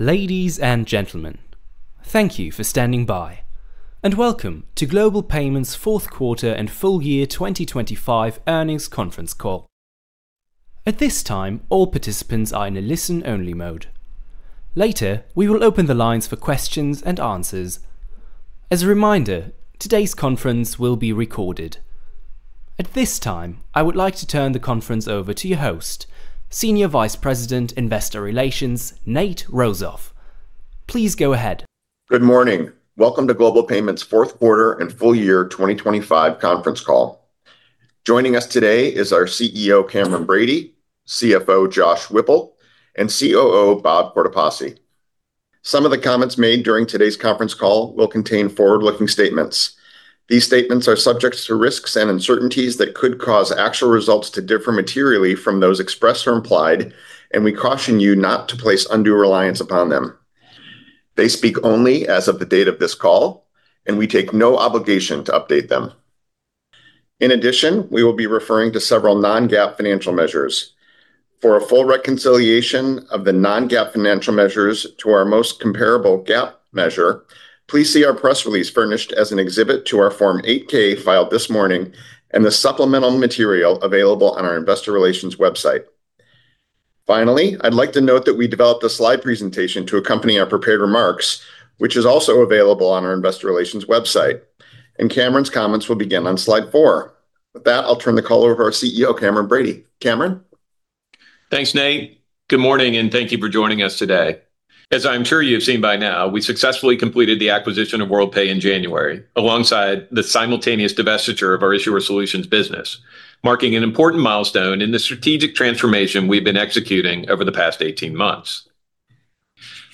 Ladies and gentlemen, thank you for standing by, and welcome to Global Payments' Fourth Quarter and Full-year 2025 Earnings Conference Call. At this time, all participants are in a listen-only mode. Later, we will open the lines for questions and answers. As a reminder, today's conference will be recorded. At this time, I would like to turn the conference over to your host, Senior Vice President, Investor Relations, Nate Rozof. Please go ahead. Good morning. Welcome to Global Payments' Fourth Quarter and Full-Year 2025 Conference Call. Joining us today is our CEO, Cameron Bready, CFO, Josh Whipple, and COO, Bob Cortopassi. Some of the comments made during today's conference call will contain forward-looking statements. These statements are subject to risks and uncertainties that could cause actual results to differ materially from those expressed or implied, and we caution you not to place undue reliance upon them. They speak only as of the date of this call, and we take no obligation to update them. In addition, we will be referring to several non-GAAP financial measures. For a full reconciliation of the non-GAAP financial measures to our most comparable GAAP measure, please see our press release furnished as an exhibit to our Form 8-K filed this morning and the supplemental material available on our investor relations website. Finally, I'd like to note that we developed a slide presentation to accompany our prepared remarks, which is also available on our investor relations website, and Cameron's comments will begin on slide four. With that, I'll turn the call over to our CEO, Cameron Bready. Cameron? Thanks, Nate. Good morning, and thank you for joining us today. As I'm sure you've seen by now, we successfully completed the acquisition of Worldpay in January, alongside the simultaneous divestiture of our Issuer Solutions business, marking an important milestone in the strategic transformation we've been executing over the past eighteen months.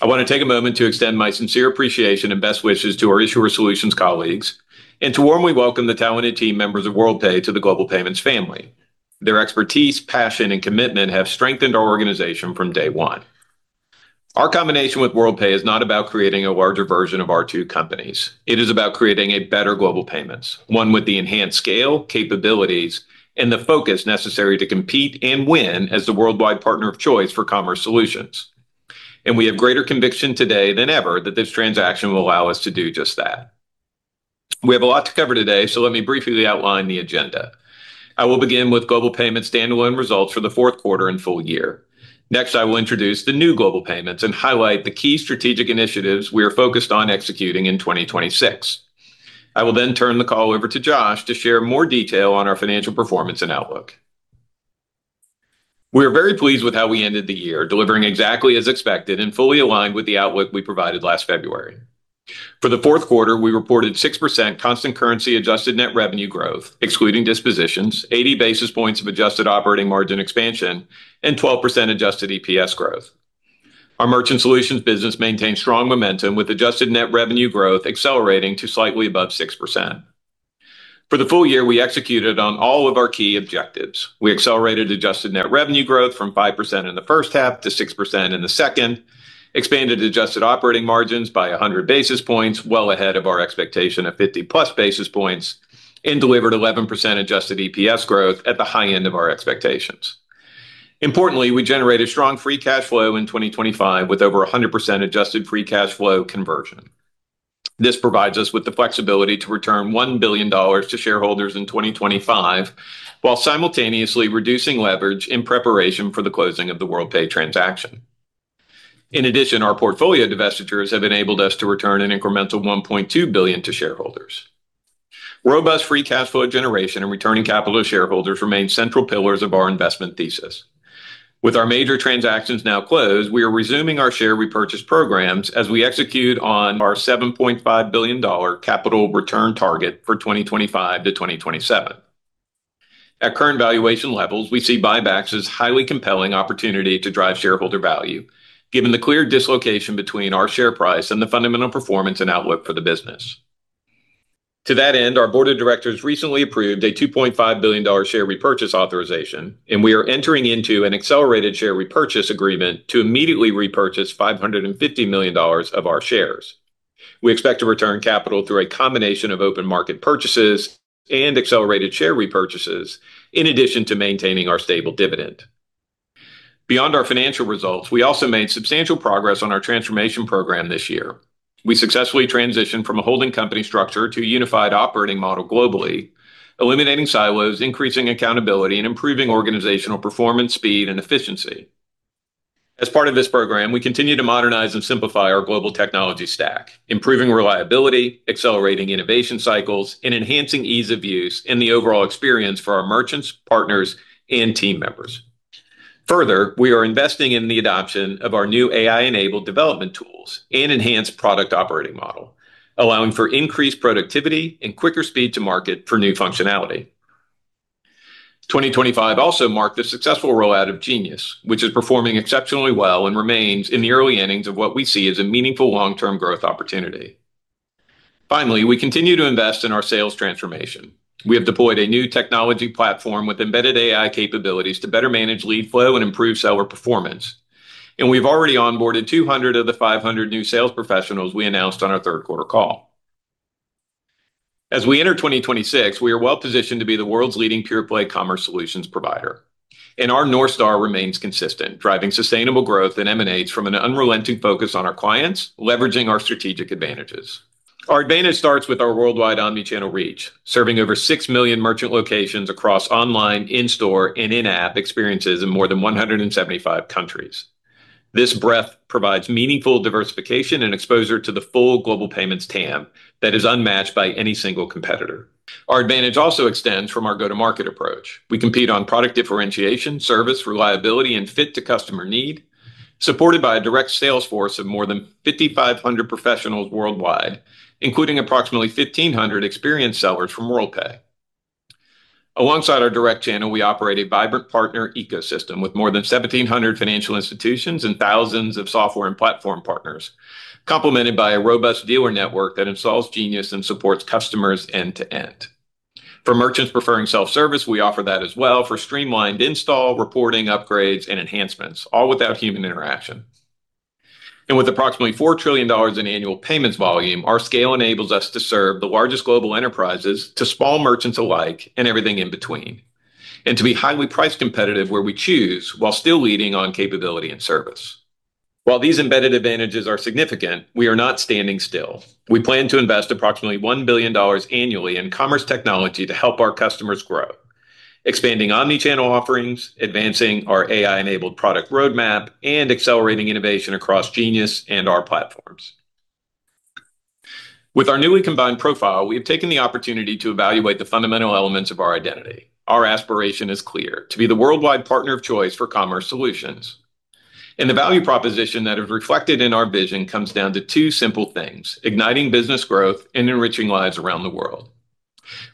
I want to take a moment to extend my sincere appreciation and best wishes to our Issuer Solutions colleagues and to warmly welcome the talented team members of Worldpay to the Global Payments family. Their expertise, passion, and commitment have strengthened our organization from day one. Our combination with Worldpay is not about creating a larger version of our two companies. It is about creating a better Global Payments, one with the enhanced scale, capabilities, and the focus necessary to compete and win as the worldwide partner of choice for commerce solutions. And we have greater conviction today than ever that this transaction will allow us to do just that. We have a lot to cover today, so let me briefly outline the agenda. I will begin with Global Payments' standalone results for the fourth quarter and full-year. Next, I will introduce the new Global Payments and highlight the key strategic initiatives we are focused on executing in 2026. I will then turn the call over to Josh to share more detail on our financial performance and outlook. We are very pleased with how we ended the year, delivering exactly as expected and fully aligned with the outlook we provided last February. For the fourth quarter, we reported 6% constant currency adjusted net revenue growth, excluding dispositions, 80 basis points of adjusted operating margin expansion, and 12% adjusted EPS growth. Our Merchant Solutions business maintained strong momentum, with adjusted net revenue growth accelerating to slightly above 6%. For the full-year, we executed on all of our key objectives. We accelerated adjusted net revenue growth from 5% in the first half to 6% in the second, expanded adjusted operating margins by 100 basis points, well ahead of our expectation of 50+ basis points, and delivered 11% adjusted EPS growth at the high end of our expectations. Importantly, we generated strong free cash flow in 2025, with over 100% adjusted free cash flow conversion. This provides us with the flexibility to return $1 billion to shareholders in 2025, while simultaneously reducing leverage in preparation for the closing of the Worldpay transaction. In addition, our portfolio divestitures have enabled us to return an incremental $1.2 billion to shareholders. Robust free cash flow generation and returning capital to shareholders remain central pillars of our investment thesis. With our major transactions now closed, we are resuming our share repurchase programs as we execute on our $7.5 billion capital return target for 2025 to 2027. At current valuation levels, we see buybacks as a highly compelling opportunity to drive shareholder value, given the clear dislocation between our share price and the fundamental performance and outlook for the business. To that end, our board of directors recently approved a $2.5 billion share repurchase authorization, and we are entering into an accelerated share repurchase agreement to immediately repurchase $550 million of our shares. We expect to return capital through a combination of open market purchases and accelerated share repurchases, in addition to maintaining our stable dividend. Beyond our financial results, we also made substantial progress on our transformation program this year. We successfully transitioned from a holding company structure to a unified operating model globally, eliminating silos, increasing accountability, and improving organizational performance, speed, and efficiency. As part of this program, we continue to modernize and simplify our global technology stack, improving reliability, accelerating innovation cycles, and enhancing ease of use and the overall experience for our merchants, partners, and team members. Further, we are investing in the adoption of our new AI-enabled development tools and enhanced product operating model, allowing for increased productivity and quicker speed to market for new functionality. 2025 also marked the successful rollout of Genius, which is performing exceptionally well and remains in the early innings of what we see as a meaningful long-term growth opportunity. Finally, we continue to invest in our sales transformation. We have deployed a new technology platform with embedded AI capabilities to better manage lead flow and improve seller performance. We've already onboarded 200 of the 500 new sales professionals we announced on our third quarter call. As we enter 2026, we are well positioned to be the world's leading pure-play commerce solutions provider, and our North Star remains consistent, driving sustainable growth that emanates from an unrelenting focus on our clients, leveraging our strategic advantages. Our advantage starts with our worldwide omnichannel reach, serving over 6 million merchant locations across online, in-store, and in-app experiences in more than 175 countries. This breadth provides meaningful diversification and exposure to the full global payments TAM that is unmatched by any single competitor. Our advantage also extends from our go-to-market approach. We compete on product differentiation, service, reliability, and fit to customer need, supported by a direct sales force of more than 5,500 professionals worldwide, including approximately 1,500 experienced sellers from Worldpay. Alongside our direct channel, we operate a vibrant partner ecosystem with more than 1,700 financial institutions and thousands of software and platform partners, complemented by a robust dealer network that installs Genius and supports customers end to end. For merchants preferring self-service, we offer that as well for streamlined install, reporting, upgrades, and enhancements, all without human interaction. And with approximately $4 trillion in annual payments volume, our scale enables us to serve the largest global enterprises to small merchants alike and everything in between, and to be highly price competitive where we choose, while still leading on capability and service. While these embedded advantages are significant, we are not standing still. We plan to invest approximately $1 billion annually in commerce technology to help our customers grow, expanding omnichannel offerings, advancing our AI-enabled product roadmap, and accelerating innovation across Genius and our platforms. With our newly combined profile, we have taken the opportunity to evaluate the fundamental elements of our identity. Our aspiration is clear: to be the worldwide partner of choice for commerce solutions. The value proposition that is reflected in our vision comes down to two simple things: igniting business growth and enriching lives around the world.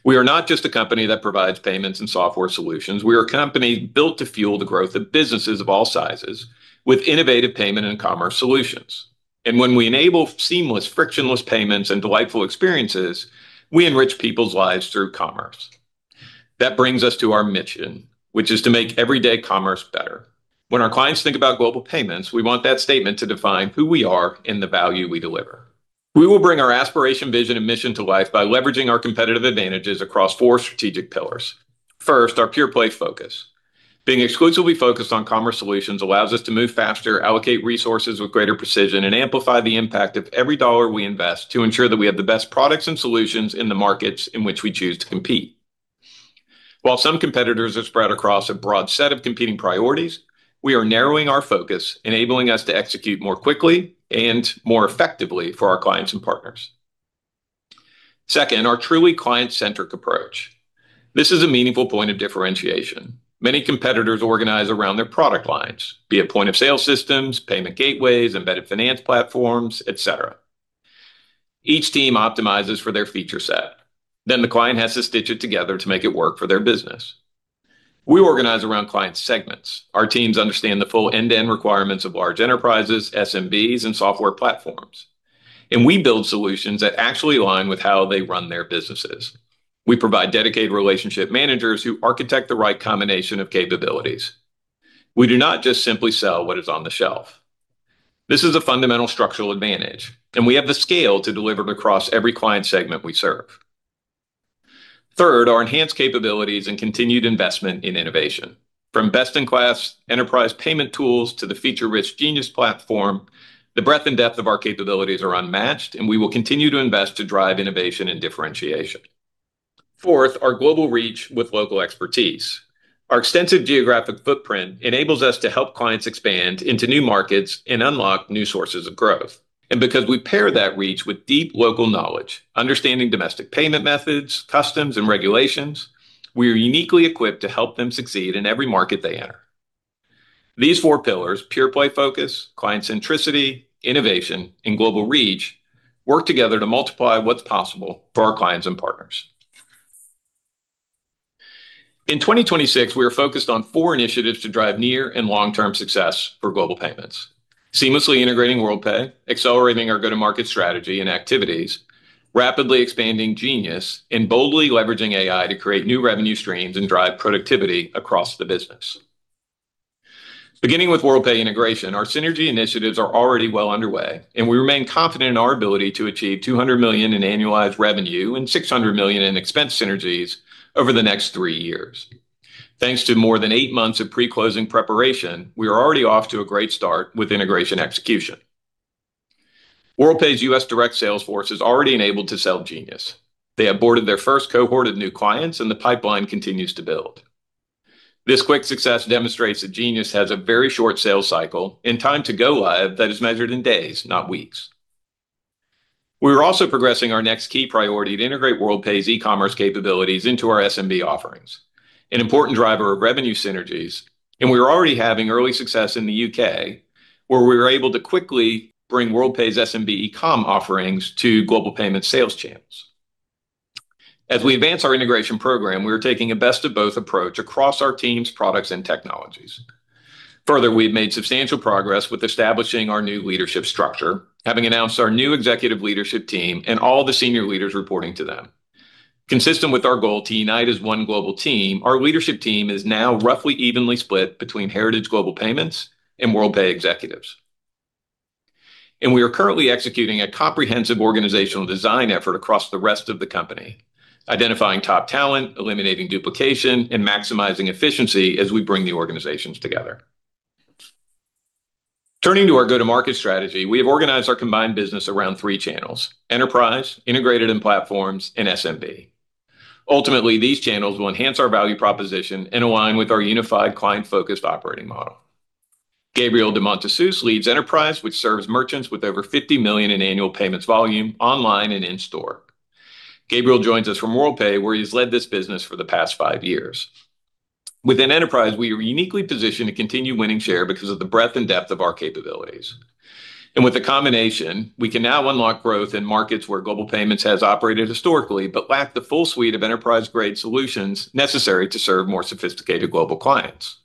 We are not just a company that provides payments and software solutions. We are a company built to fuel the growth of businesses of all sizes with innovative payment and commerce solutions. When we enable seamless, frictionless payments and delightful experiences, we enrich people's lives through commerce. That brings us to our mission, which is to make everyday commerce better. When our clients think about Global Payments, we want that statement to define who we are and the value we deliver. We will bring our aspiration, vision, and mission to life by leveraging our competitive advantages across four strategic pillars. First, our pure-play focus. Being exclusively focused on commerce solutions allows us to move faster, allocate resources with greater precision, and amplify the impact of every dollar we invest to ensure that we have the best products and solutions in the markets in which we choose to compete. While some competitors are spread across a broad set of competing priorities, we are narrowing our focus, enabling us to execute more quickly and more effectively for our clients and partners. Second, our truly client-centric approach. This is a meaningful point of differentiation. Many competitors organize around their product lines, be it point-of-sale systems, payment gateways, embedded finance platforms, et cetera. Each team optimizes for their feature set, then the client has to stitch it together to make it work for their business. We organize around client segments. Our teams understand the full end-to-end requirements of large enterprises, SMBs, and software platforms, and we build solutions that actually align with how they run their businesses. We provide dedicated relationship managers who architect the right combination of capabilities. We do not just simply sell what is on the shelf. This is a fundamental structural advantage, and we have the scale to deliver it across every client segment we serve. Third, our enhanced capabilities and continued investment in innovation. From best-in-class enterprise payment tools to the feature-rich Genius platform, the breadth and depth of our capabilities are unmatched, and we will continue to invest to drive innovation and differentiation. Fourth, our global reach with local expertise. Our extensive geographic footprint enables us to help clients expand into new markets and unlock new sources of growth. Because we pair that reach with deep local knowledge, understanding domestic payment methods, customs, and regulations, we are uniquely equipped to help them succeed in every market they enter. These four pillars, pure-play focus, client centricity, innovation, and global reach, work together to multiply what's possible for our clients and partners. In 2026, we are focused on four initiatives to drive near- and long-term success for Global Payments: seamlessly integrating Worldpay, accelerating our go-to-market strategy and activities, rapidly expanding Genius, and boldly leveraging AI to create new revenue streams and drive productivity across the business. Beginning with Worldpay integration, our synergy initiatives are already well underway, and we remain confident in our ability to achieve $200 million in annualized revenue and $600 million in expense synergies over the next three years. Thanks to more than eight months of pre-closing preparation, we are already off to a great start with integration execution. Worldpay's U.S. direct sales force is already enabled to sell Genius. They have boarded their first cohort of new clients, and the pipeline continues to build. This quick success demonstrates that Genius has a very short sales cycle and time to go live that is measured in days, not weeks. We are also progressing our next key priority to integrate Worldpay's e-commerce capabilities into our SMB offerings, an important driver of revenue synergies, and we are already having early success in the UK, where we were able to quickly bring Worldpay's SMB e-com offerings to Global Payments sales channels. As we advance our integration program, we are taking a best-of-both approach across our teams, products, and technologies. Further, we've made substantial progress with establishing our new leadership structure, having announced our new executive leadership team and all the senior leaders reporting to them. Consistent with our goal to unite as one global team, our leadership team is now roughly evenly split between heritage Global Payments and Worldpay executives.... We are currently executing a comprehensive organizational design effort across the rest of the company, identifying top talent, eliminating duplication, and maximizing efficiency as we bring the organizations together. Turning to our go-to-market strategy, we have organized our combined business around three channels: Enterprise, Integrated and Platforms, and SMB. Ultimately, these channels will enhance our value proposition and align with our unified client-focused operating model. Gabriel de Montessus leads enterprise, which serves merchants with over $50 million in annual payments volume, online and in-store. Gabriel joins us from Worldpay, where he's led this business for the past five years. Within enterprise, we are uniquely positioned to continue winning share because of the breadth and depth of our capabilities. With the combination, we can now unlock growth in markets where Global Payments has operated historically, but lack the full suite of enterprise-grade solutions necessary to serve more sophisticated global clients.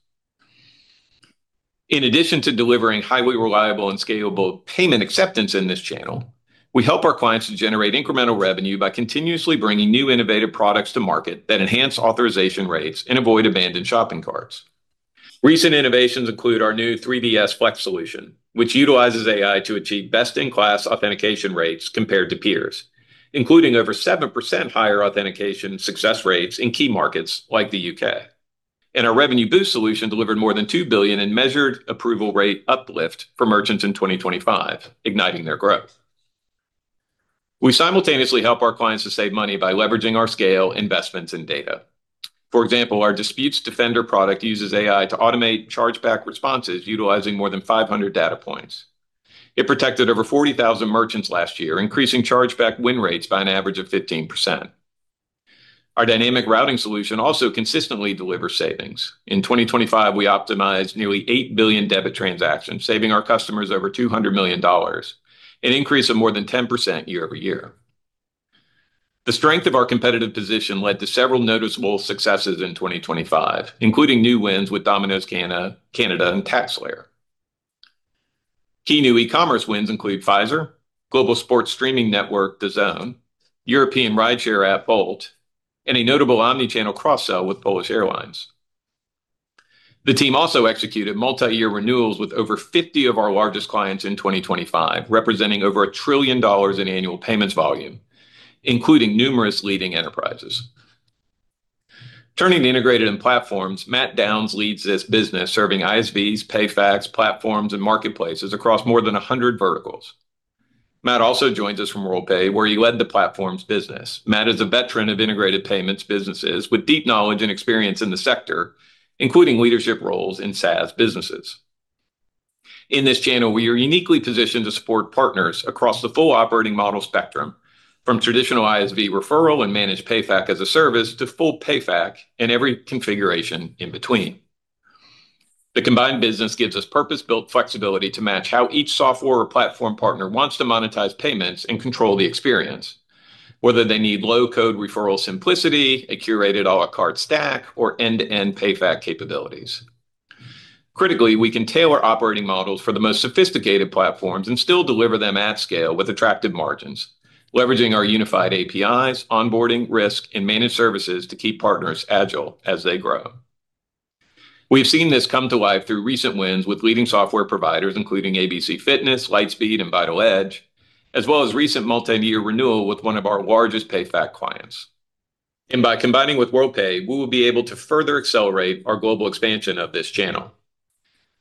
In addition to delivering highly reliable and scalable payment acceptance in this channel, we help our clients to generate incremental revenue by continuously bringing new innovative products to market that enhance authorization rates and avoid abandoned shopping carts. Recent innovations include our new 3DS Flex solution, which utilizes AI to achieve best-in-class authentication rates compared to peers, including over 7% higher authentication success rates in key markets like the UK. Our Revenue Boost solution delivered more than $2 billion in measured approval rate uplift for merchants in 2025, igniting their growth. We simultaneously help our clients to save money by leveraging our scale, investments, and data. For example, our Disputes Defender product uses AI to automate chargeback responses utilizing more than 500 data points. It protected over 40,000 merchants last year, increasing chargeback win rates by an average of 15%. Our dynamic routing solution also consistently delivers savings. In 2025, we optimized nearly 8 billion debit transactions, saving our customers over $200 million, an increase of more than 10% year-over-year. The strength of our competitive position led to several noticeable successes in 2025, including new wins with Domino's Canada, and TaxSlayer. Key new e-commerce wins include Pfizer, global sports streaming network DAZN, European rideshare app Bolt, and a notable omnichannel cross-sell with Polish Airlines. The team also executed multi-year renewals with over 50 of our largest clients in 2025, representing over $1 trillion in annual payments volume, including numerous leading enterprises. Turning to Integrated and Platforms, Matt Downs leads this business, serving ISVs, PayFacs, p latforms, and marketplaces across more than 100 verticals. Matt also joins us from Worldpay, where he led the platforms business. Matt is a veteran of integrated payments businesses with deep knowledge and experience in the sector, including leadership roles in SaaS businesses. In this channel, we are uniquely positioned to support partners across the full operating model spectrum, from traditional ISV referral and managed PayFac as a service to full PayFac and every configuration in between. The combined business gives us purpose-built flexibility to match how each software or platform partner wants to monetize payments and control the experience, whether they need low-code referral simplicity, a curated à la carte stack, or end-to-end PayFac capabilities. Critically, we can tailor operating models for the most sophisticated platforms and still deliver them at scale with attractive margins, leveraging our unified APIs, onboarding, risk, and managed services to keep partners agile as they grow. We've seen this come to life through recent wins with leading software providers, including ABC Fitness, Lightspeed, and VitalEdge, as well as recent multi-year renewal with one of our largest PayFac clients. By combining with Worldpay, we will be able to further accelerate our global expansion of this channel.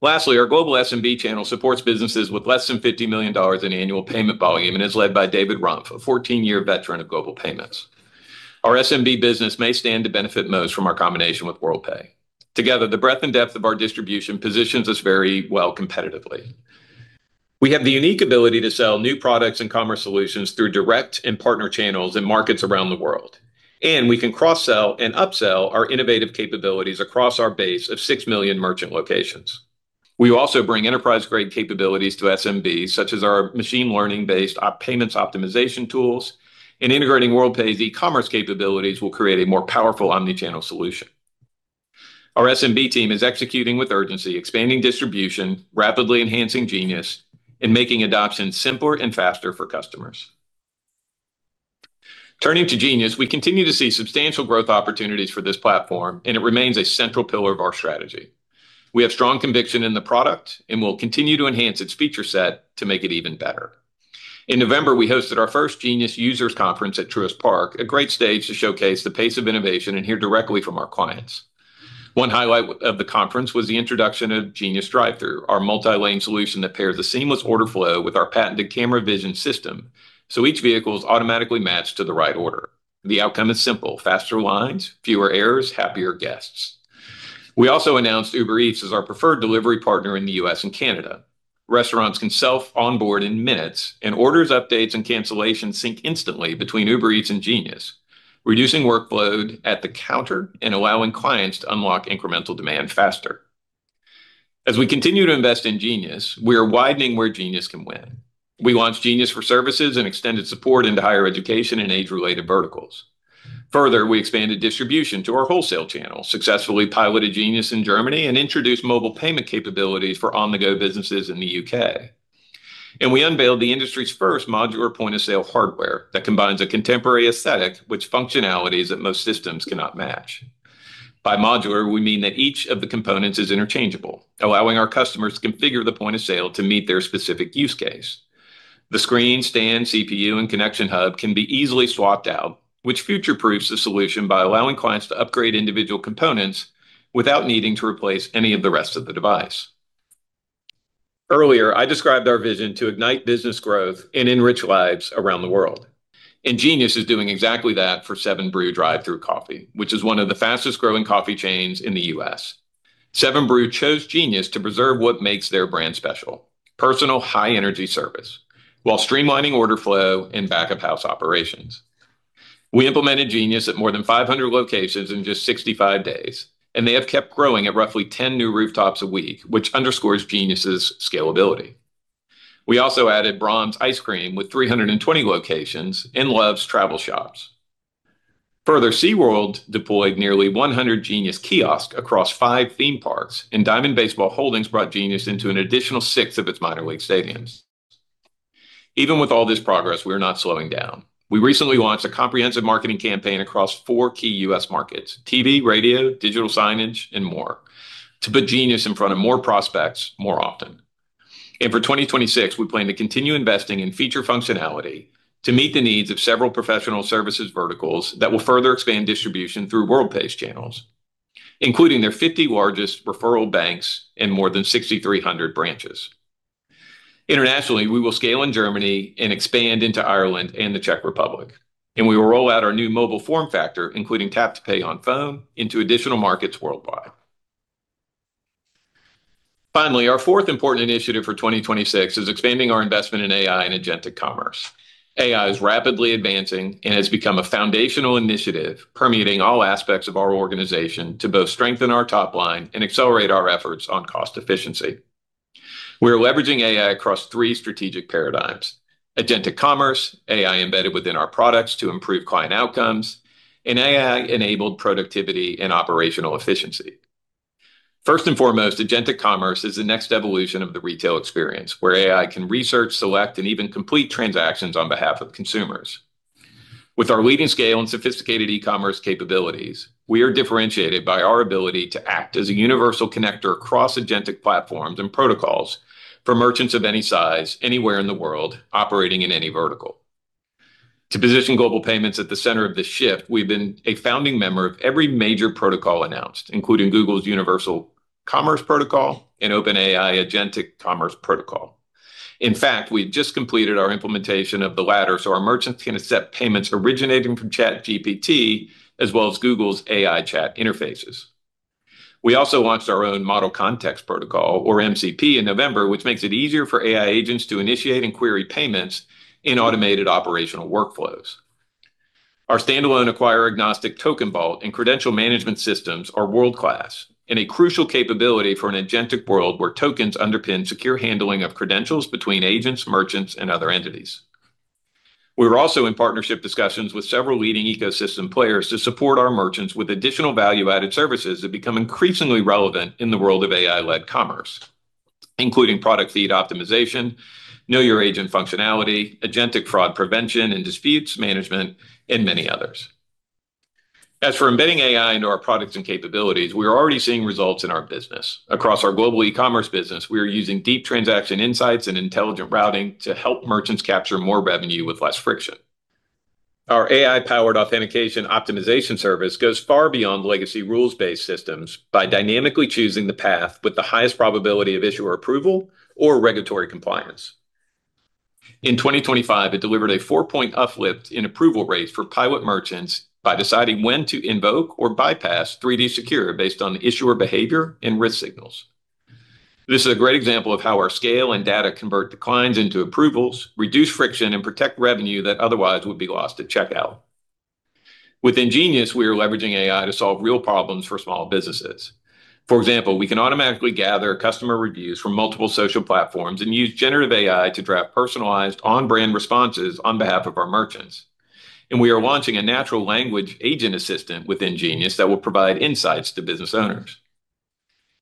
Lastly, our global SMB channel supports businesses with less than $50 million in annual payment volume and is led by David Rumph, a 14-year veteran of Global Payments. Our SMB business may stand to benefit most from our combination with Worldpay. Together, the breadth and depth of our distribution positions us very well competitively. We have the unique ability to sell new products and commerce solutions through direct and partner channels in markets around the world, and we can cross-sell and upsell our innovative capabilities across our base of 6 million merchant locations. We also bring enterprise-grade capabilities to SMB, such as our machine learning-based Omni payments optimization tools, and integrating Worldpay's e-commerce capabilities will create a more powerful omnichannel solution. Our SMB team is executing with urgency, expanding distribution, rapidly enhancing Genius, and making adoption simpler and faster for customers. Turning to Genius, we continue to see substantial growth opportunities for this platform, and it remains a central pillar of our strategy. We have strong conviction in the product and will continue to enhance its feature set to make it even better. In November, we hosted our first Genius Users Conference at Truist Park, a great stage to showcase the pace of innovation and hear directly from our clients. One highlight of the conference was the introduction of Genius Drive-Thru, our multi-lane solution that pairs a seamless order flow with our patented camera vision system, so each vehicle is automatically matched to the right order. The outcome is simple: faster lines, fewer errors, happier guests. We also announced Uber Eats as our preferred delivery partner in the U.S. and Canada. Restaurants can self-onboard in minutes, and orders, updates, and cancellations sync instantly between Uber Eats and Genius, reducing workload at the counter and allowing clients to unlock incremental demand faster. As we continue to invest in Genius, we are widening where Genius can win. We launched Genius for Services and extended support into higher education and age-related verticals. Further, we expanded distribution to our wholesale channel, successfully piloted Genius in Germany, and introduced mobile payment capabilities for on-the-go businesses in the U.K. We unveiled the industry's first modular point-of-sale hardware that combines a contemporary aesthetic with functionalities that most systems cannot match. By modular, we mean that each of the components is interchangeable, allowing our customers to configure the point of sale to meet their specific use case. The screen, stand, CPU, and connection hub can be easily swapped out, which future-proofs the solution by allowing clients to upgrade individual components without needing to replace any of the rest of the device. Earlier, I described our vision to ignite business growth and enrich lives around the world, and Genius is doing exactly that for 7 Brew drive-thru coffee, which is one of the fastest-growing coffee chains in the U.S. 7 Brew chose Genius to preserve what makes their brand special, personal, high-energy service, while streamlining order flow and back-of-house operations. We implemented Genius at more than 500 locations in just 65 days, and they have kept growing at roughly 10 new rooftops a week, which underscores Genius's scalability. We also added Braum's Ice Cream with 320 locations and Love's Travel Stops. Further, SeaWorld deployed nearly 100 Genius kiosks across five theme parks, and Diamond Baseball Holdings brought Genius into an additional six of its minor league stadiums. Even with all this progress, we're not slowing down. We recently launched a comprehensive marketing campaign across four key U.S. markets: TV, radio, digital signage, and more, to put Genius in front of more prospects more often. For 2026, we plan to continue investing in feature functionality to meet the needs of several professional services verticals that will further expand distribution through Worldpay's channels, including their 50 largest referral banks and more than 6,300 branches. Internationally, we will scale in Germany and expand into Ireland and the Czech Republic, and we will roll out our new mobile form factor, including tap-to-pay on phone, into additional markets worldwide. Finally, our fourth important initiative for 2026 is expanding our investment in AI and agentic commerce. AI is rapidly advancing and has become a foundational initiative, permeating all aspects of our organization to both strengthen our top line and accelerate our efforts on cost efficiency. We are leveraging AI across 3 strategic paradigms: agentic commerce, AI embedded within our products to improve client outcomes, and AI-enabled productivity and operational efficiency. First and foremost, agentic commerce is the next evolution of the retail experience, where AI can research, select, and even complete transactions on behalf of consumers. With our leading scale and sophisticated e-commerce capabilities, we are differentiated by our ability to act as a universal connector across agentic platforms and protocols for merchants of any size, anywhere in the world, operating in any vertical. To position Global Payments at the center of this shift, we've been a founding member of every major protocol announced, including Google's Universal Commerce Protocol and OpenAI Agentic Commerce Protocol. In fact, we just completed our implementation of the latter, so our merchants can accept payments originating from ChatGPT as well as Google's AI chat interfaces. We also launched our own Model Context Protocol, or MCP, in November, which makes it easier for AI agents to initiate and query payments in automated operational workflows. Our standalone acquire-agnostic token vault and credential management systems are world-class and a crucial capability for an agentic world where tokens underpin secure handling of credentials between agents, merchants, and other entities. We're also in partnership discussions with several leading ecosystem players to support our merchants with additional value-added services that become increasingly relevant in the world of AI-led commerce, including product feed optimization, know your agent functionality, agentic fraud prevention and disputes management, and many others. As for embedding AI into our products and capabilities, we are already seeing results in our business. Across our global e-commerce business, we are using deep transaction insights and intelligent routing to help merchants capture more revenue with less friction. Our AI-powered authentication optimization service goes far beyond legacy rules-based systems by dynamically choosing the path with the highest probability of issuer approval or regulatory compliance. In 2025, it delivered a 4-point uplift in approval rates for pilot merchants by deciding when to invoke or bypass 3DS Secure, based on issuer behavior and risk signals. This is a great example of how our scale and data convert declines into approvals, reduce friction, and protect revenue that otherwise would be lost at checkout. With Genius, we are leveraging AI to solve real problems for small businesses. For example, we can automatically gather customer reviews from multiple social platforms and use generative AI to draft personalized on-brand responses on behalf of our merchants. We are launching a natural language agent assistant with Genius that will provide insights to business owners.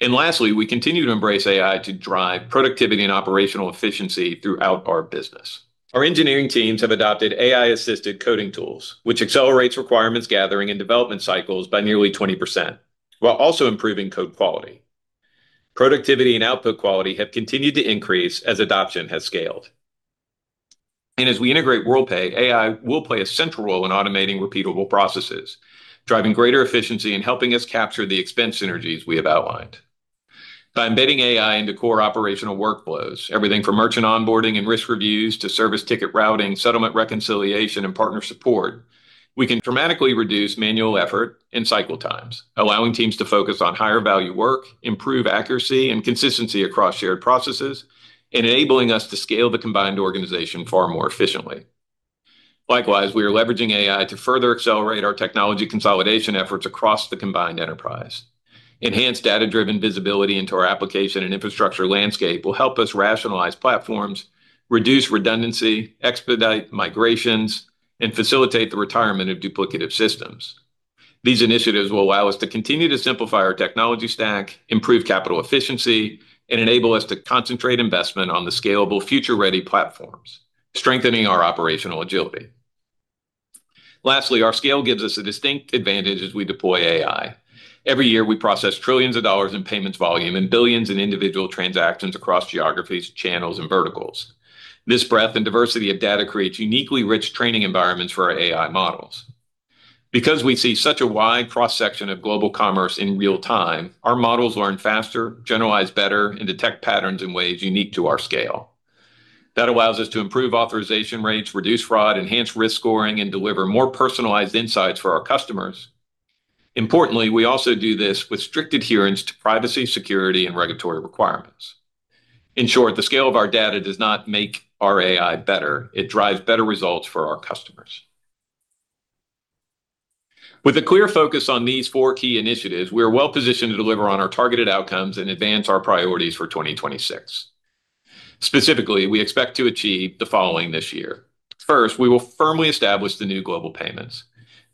Lastly, we continue to embrace AI to drive productivity and operational efficiency throughout our business. Our engineering teams have adopted AI-assisted coding tools, which accelerates requirements gathering and development cycles by nearly 20%, while also improving code quality. Productivity and output quality have continued to increase as adoption has scaled. As we integrate Worldpay, AI will play a central role in automating repeatable processes, driving greater efficiency, and helping us capture the expense synergies we have outlined. By embedding AI into core operational workflows, everything from merchant onboarding and risk reviews to service ticket routing, settlement reconciliation, and partner support, we can dramatically reduce manual effort and cycle times, allowing teams to focus on higher-value work, improve accuracy and consistency across shared processes, enabling us to scale the combined organization far more efficiently. Likewise, we are leveraging AI to further accelerate our technology consolidation efforts across the combined enterprise. Enhanced data-driven visibility into our application and infrastructure landscape will help us rationalize platforms... Reduce redundancy, expedite migrations, and facilitate the retirement of duplicative systems. These initiatives will allow us to continue to simplify our technology stack, improve capital efficiency, and enable us to concentrate investment on the scalable future-ready platforms, strengthening our operational agility. Lastly, our scale gives us a distinct advantage as we deploy AI. Every year, we process trillions of dollars in payments volume and billions in individual transactions across geographies, channels, and verticals. This breadth and diversity of data creates uniquely rich training environments for our AI models. Because we see such a wide cross-section of global commerce in real time, our models learn faster, generalize better, and detect patterns in ways unique to our scale. That allows us to improve authorization rates, reduce fraud, enhance risk scoring, and deliver more personalized insights for our customers. Importantly, we also do this with strict adherence to privacy, security, and regulatory requirements. In short, the scale of our data does not make our AI better, it drives better results for our customers. With a clear focus on these four key initiatives, we are well-positioned to deliver on our targeted outcomes and advance our priorities for 2026. Specifically, we expect to achieve the following this year. First, we will firmly establish the new Global Payments.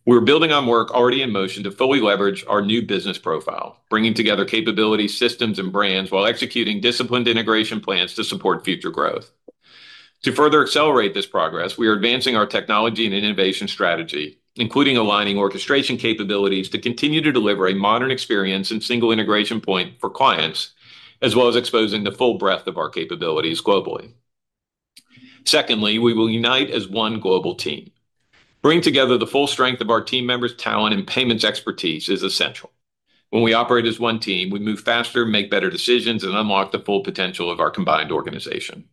We're building on work already in motion to fully leverage our new business profile, bringing together capabilities, systems, and brands, while executing disciplined integration plans to support future growth. To further accelerate this progress, we are advancing our technology and innovation strategy, including aligning orchestration capabilities to continue to deliver a modern experience and single integration point for clients, as well as exposing the full breadth of our capabilities globally. Secondly, we will unite as one global team. Bringing together the full strength of our team members' talent and payments expertise is essential. When we operate as one team, we move faster, make better decisions, and unlock the full potential of our combined organization.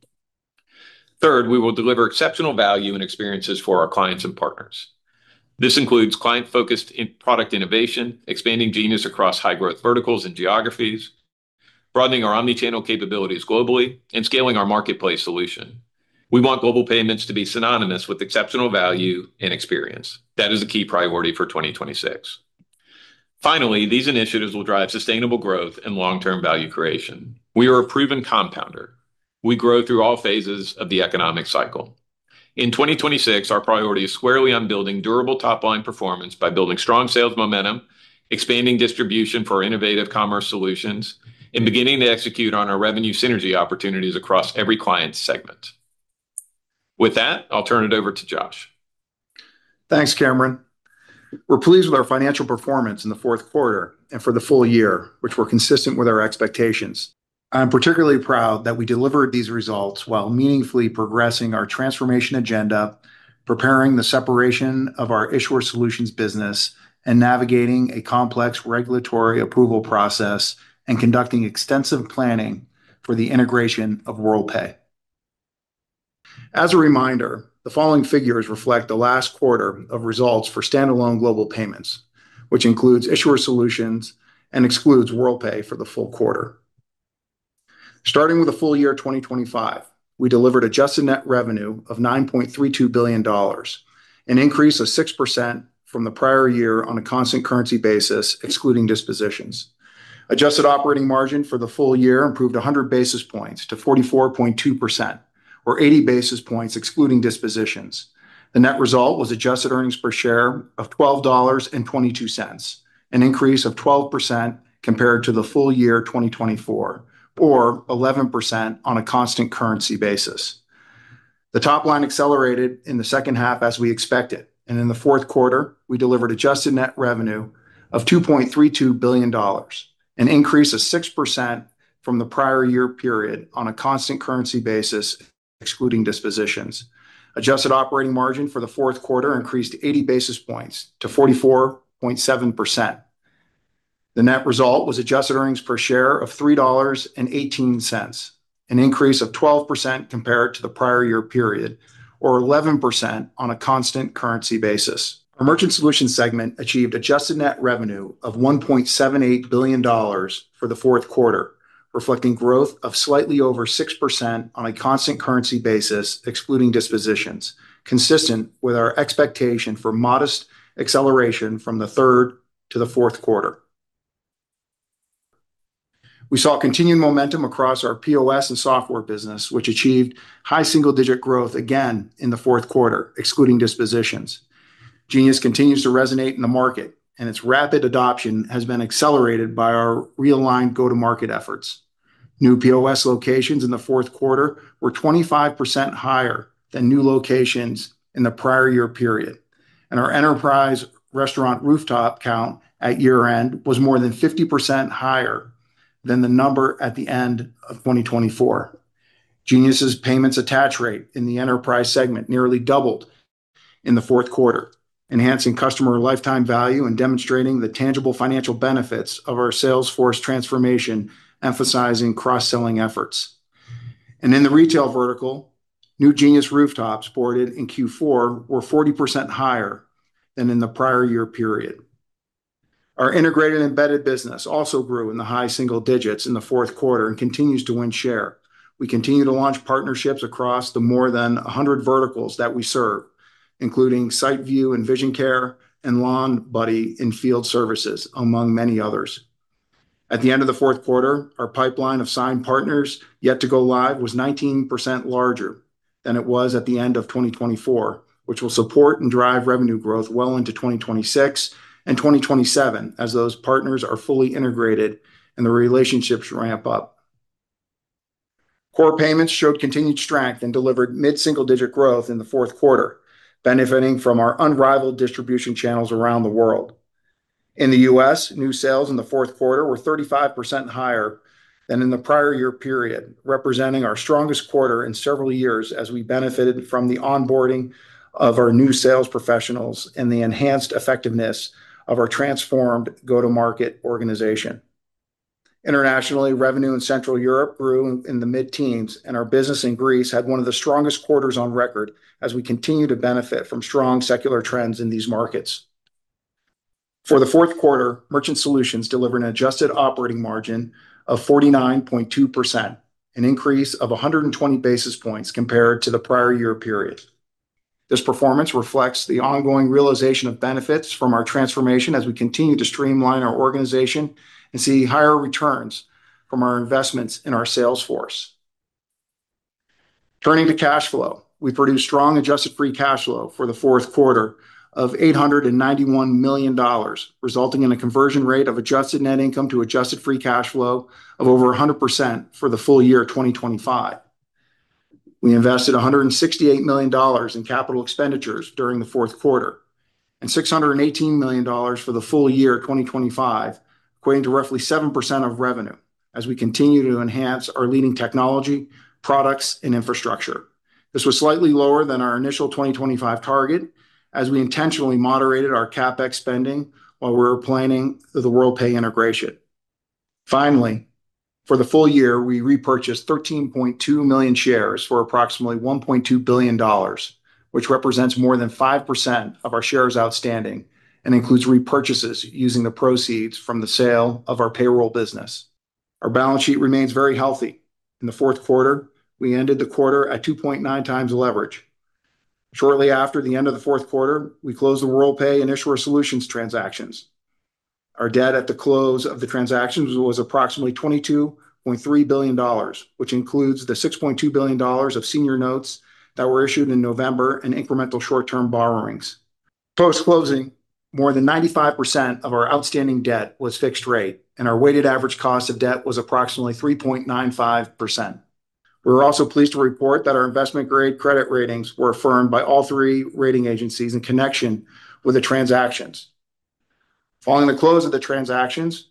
Third, we will deliver exceptional value and experiences for our clients and partners. This includes client-focused in product innovation, expanding Genius across high-growth verticals and geographies, broadening our omnichannel capabilities globally, and scaling our marketplace solution. We want Global Payments to be synonymous with exceptional value and experience. That is a key priority for 2026. Finally, these initiatives will drive sustainable growth and long-term value creation. We are a proven compounder. We grow through all phases of the economic cycle. In 2026, our priority is squarely on building durable top-line performance by building strong sales momentum, expanding distribution for innovative commerce solutions, and beginning to execute on our revenue synergy opportunities across every client segment. With that, I'll turn it over to Josh. Thanks, Cameron. We're pleased with our financial performance in the fourth quarter and for the full-year, which were consistent with our expectations. I'm particularly proud that we delivered these results while meaningfully progressing our transformation agenda, preparing the separation of our issuer solutions business, and navigating a complex regulatory approval process, and conducting extensive planning for the integration of Worldpay. As a reminder, the following figures reflect the last quarter of results for standalone Global Payments, which includes issuer solutions and excludes Worldpay for the full-quarter. Starting with the full-year 2025, we delivered adjusted net revenue of $9.32 billion, an increase of 6% from the prior-year on a constant currency basis, excluding dispositions. Adjusted operating margin for the full-year improved 100 basis points to 44.2%, or 80 basis points, excluding dispositions. The net result was adjusted earnings per share of $12.22, an increase of 12% compared to the full-year 2024, or 11% on a constant currency basis. The top line accelerated in the second half as we expected, and in the fourth quarter, we delivered adjusted net revenue of $2.32 billion, an increase of 6% from the prior-year period on a constant currency basis, excluding dispositions. Adjusted operating margin for the fourth quarter increased 80 basis points to 44.7%. The net result was adjusted earnings per share of $3.18, an increase of 12% compared to the prior-year period, or 11% on a constant currency basis. Our merchant solutions segment achieved adjusted net revenue of $1.78 billion for the fourth quarter, reflecting growth of slightly over 6% on a constant currency basis, excluding dispositions, consistent with our expectation for modest acceleration from the third to the fourth quarter. We saw continued momentum across our POS and software business, which achieved high single-digit growth again in the fourth quarter, excluding dispositions. Genius continues to resonate in the market, and its rapid adoption has been accelerated by our realigned go-to-market efforts. New POS locations in the fourth quarter were 25% higher than new locations in the prior-year period, and our enterprise restaurant rooftop count at year-end was more than 50% higher than the number at the end of 2024. Genius's payments attach rate in the enterprise segment nearly doubled in the fourth quarter, enhancing customer lifetime value and demonstrating the tangible financial benefits of our sales force transformation, emphasizing cross-selling efforts. In the retail vertical, new Genius rooftops boarded in Q4 were 40% higher than in the prior year period. Our integrated and embedded business also grew in the high single digits in the fourth quarter and continues to win share. We continue to launch partnerships across the more than 100 verticals that we serve, including SiteView and Vision Care, and Lawn Buddy in field services, among many others... At the end of the fourth quarter, our pipeline of signed partners yet to go live was 19% larger than it was at the end of 2024, which will support and drive revenue growth well into 2026 and 2027, as those partners are fully integrated and the relationships ramp up. Core payments showed continued strength and delivered mid-single-digit growth in the fourth quarter, benefiting from our unrivaled distribution channels around the world. In the U.S., new sales in the fourth quarter were 35% higher than in the prior year period, representing our strongest quarter in several years, as we benefited from the onboarding of our new sales professionals and the enhanced effectiveness of our transformed go-to-market organization. Internationally, revenue in Central Europe grew in the mid-teens, and our business in Greece had one of the strongest quarters on record, as we continue to benefit from strong secular trends in these markets. For the fourth quarter, Merchant Solutions delivered an adjusted operating margin of 49.2%, an increase of 120 basis points compared to the prior year period. This performance reflects the ongoing realization of benefits from our transformation as we continue to streamline our organization and see higher returns from our investments in our sales force. Turning to cash flow, we produced strong adjusted free cash flow for the fourth quarter of $891 million, resulting in a conversion rate of adjusted net income to adjusted free cash flow of over 100% for the full-year of 2025. We invested $168 million in capital expenditures during the fourth quarter, and $618 million for the full-year of 2025, equating to roughly 7% of revenue, as we continue to enhance our leading technology, products, and infrastructure. This was slightly lower than our initial 2025 target, as we intentionally moderated our CapEx spending while we were planning the Worldpay integration. Finally, for the full-year, we repurchased 13.2 million shares for approximately $1.2 billion, which represents more than 5% of our shares outstanding and includes repurchases using the proceeds from the sale of our payroll business. Our balance sheet remains very healthy. In the fourth quarter, we ended the quarter at 2.9 times leverage. Shortly after the end of the fourth quarter, we closed the Worldpay and Issuer Solutions transactions. Our debt at the close of the transactions was approximately $22.3 billion, which includes the $6.2 billion of senior notes that were issued in November, and incremental short-term borrowings. Post-closing, more than 95% of our outstanding debt was fixed rate, and our weighted average cost of debt was approximately 3.95%. We're also pleased to report that our investment-grade credit ratings were affirmed by all three rating agencies in connection with the transactions. Following the close of the transactions,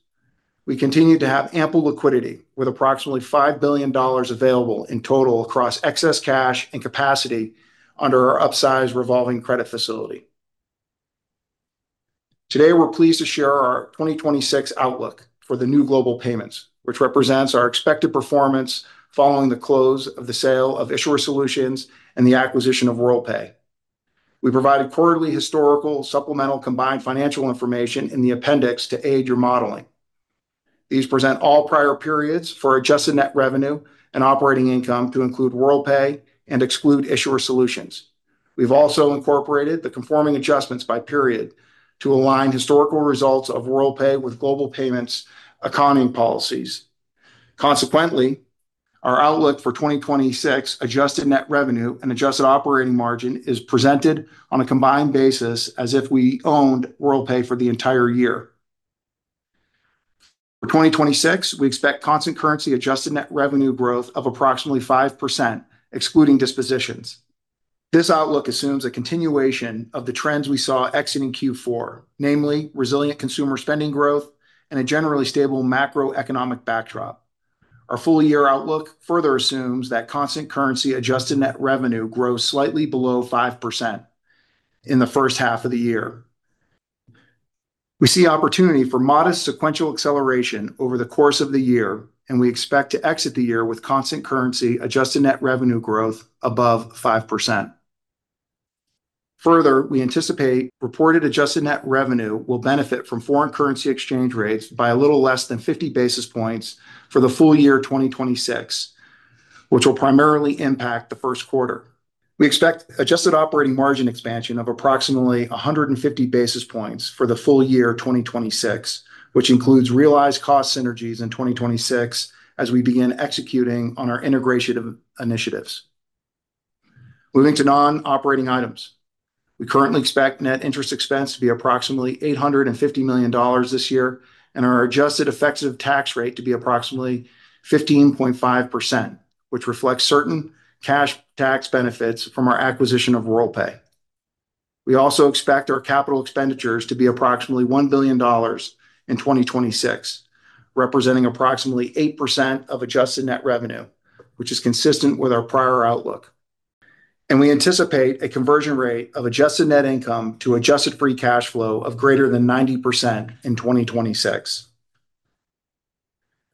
we continued to have ample liquidity, with approximately $5 billion available in total across excess cash and capacity under our upsized revolving credit facility. Today, we're pleased to share our 2026 outlook for the new Global Payments, which represents our expected performance following the close of the sale of Issuer Solutions and the acquisition of Worldpay. We provided quarterly historical supplemental combined financial information in the appendix to aid your modeling. These present all prior periods for Adjusted Net Revenue and operating income to include Worldpay and exclude Issuer Solutions. We've also incorporated the conforming adjustments by period to align historical results of Worldpay with Global Payments accounting policies. Consequently, our outlook for 2026 Adjusted Net Revenue and Adjusted Operating Margin is presented on a combined basis as if we owned Worldpay for the entire year. For 2026, we expect Constant Currency Adjusted Net Revenue growth of approximately 5%, excluding dispositions. This outlook assumes a continuation of the trends we saw exiting Q4, namely resilient consumer spending growth and a generally stable macroeconomic backdrop. Our full-year outlook further assumes that Constant Currency-Adjusted Net Revenue grows slightly below 5% in the first half of the year. We see opportunity for modest sequential acceleration over the course of the year, and we expect to exit the year with constant currency-adjusted net revenue growth above 5%. Further, we anticipate reported adjusted net revenue will benefit from foreign currency exchange rates by a little less than 50 basis points for the full-year 2026, which will primarily impact the first quarter. We expect adjusted operating margin expansion of approximately 150 basis points for the full-year 2026, which includes realized cost synergies in 2026, as we begin executing on our integration initiatives. Moving to non-operating items. We currently expect net interest expense to be approximately $850 million this year, and our adjusted effective tax rate to be approximately 15.5%, which reflects certain cash tax benefits from our acquisition of Worldpay. We also expect our capital expenditures to be approximately $1 billion in 2026, representing approximately 8% of adjusted net revenue, which is consistent with our prior outlook. We anticipate a conversion rate of adjusted net income to adjusted free cash flow of greater than 90% in 2026.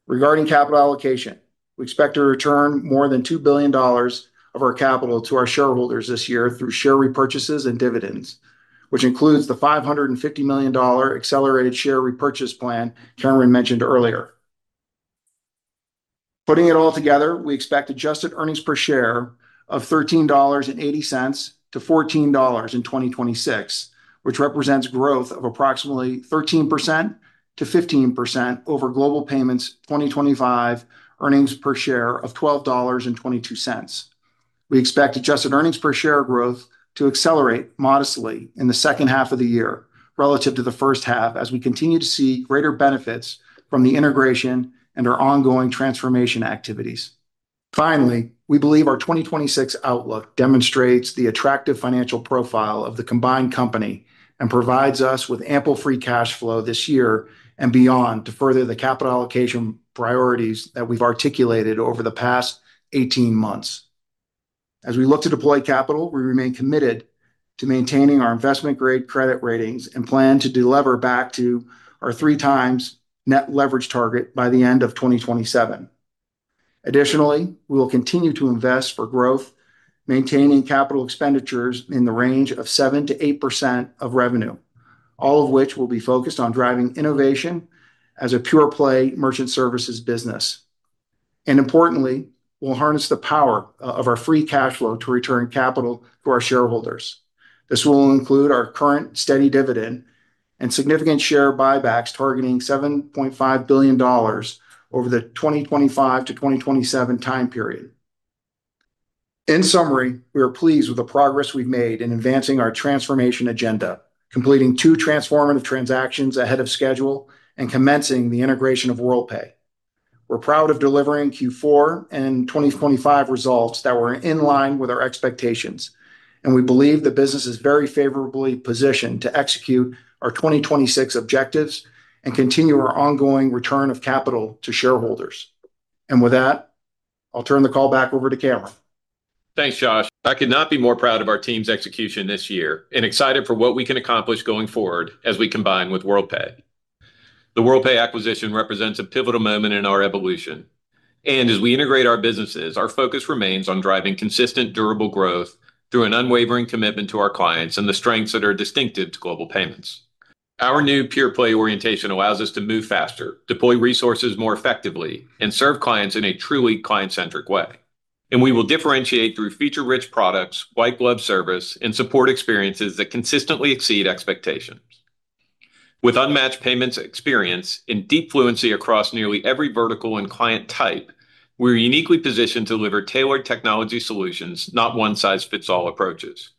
Regarding capital allocation, we expect to return more than $2 billion of our capital to our shareholders this year through share repurchases and dividends, which includes the $550 million Accelerated Share Repurchase plan Cameron mentioned earlier.... Putting it all together, we expect adjusted earnings per share of $13.80-$14 in 2026, which represents growth of approximately 13%-15% over Global Payments' 2025 earnings per share of $12.22. We expect Adjusted earnings per share growth to accelerate modestly in the second half of the year relative to the first half, as we continue to see greater benefits from the integration and our ongoing transformation activities. Finally, we believe our 2026 outlook demonstrates the attractive financial profile of the combined company and provides us with ample free cash flow this year and beyond to further the capital allocation priorities that we've articulated over the past 18 months. As we look to deploy capital, we remain committed to maintaining our investment-grade credit ratings and plan to delever back to our 3x net leverage target by the end of 2027. Additionally, we will continue to invest for growth, maintaining capital expenditures in the range of 7%-8% of revenue, all of which will be focused on driving innovation as a pure-play merchant services business. And importantly, we'll harness the power of our free cash flow to return capital to our shareholders. This will include our current steady dividend and significant share buybacks, targeting $7.5 billion over the 2025-2027 time period. In summary, we are pleased with the progress we've made in advancing our transformation agenda, completing two transformative transactions ahead of schedule and commencing the integration of Worldpay. We're proud of delivering Q4 and 2025 results that were in line with our expectations, and we believe the business is very favorably positioned to execute our 2026 objectives and continue our ongoing return of capital to shareholders. And with that, I'll turn the call back over to Cameron. Thanks, Josh. I could not be more proud of our team's execution this year and excited for what we can accomplish going forward as we combine with Worldpay. The Worldpay acquisition represents a pivotal moment in our evolution, and as we integrate our businesses, our focus remains on driving consistent, durable growth through an unwavering commitment to our clients and the strengths that are distinctive to Global Payments. Our new pure-play orientation allows us to move faster, deploy resources more effectively, and serve clients in a truly client-centric way. And we will differentiate through feature-rich products, white-glove service, and support experiences that consistently exceed expectations. With unmatched payments experience and deep fluency across nearly every vertical and client type, we're uniquely positioned to deliver tailored technology solutions, not one-size-fits-all approaches.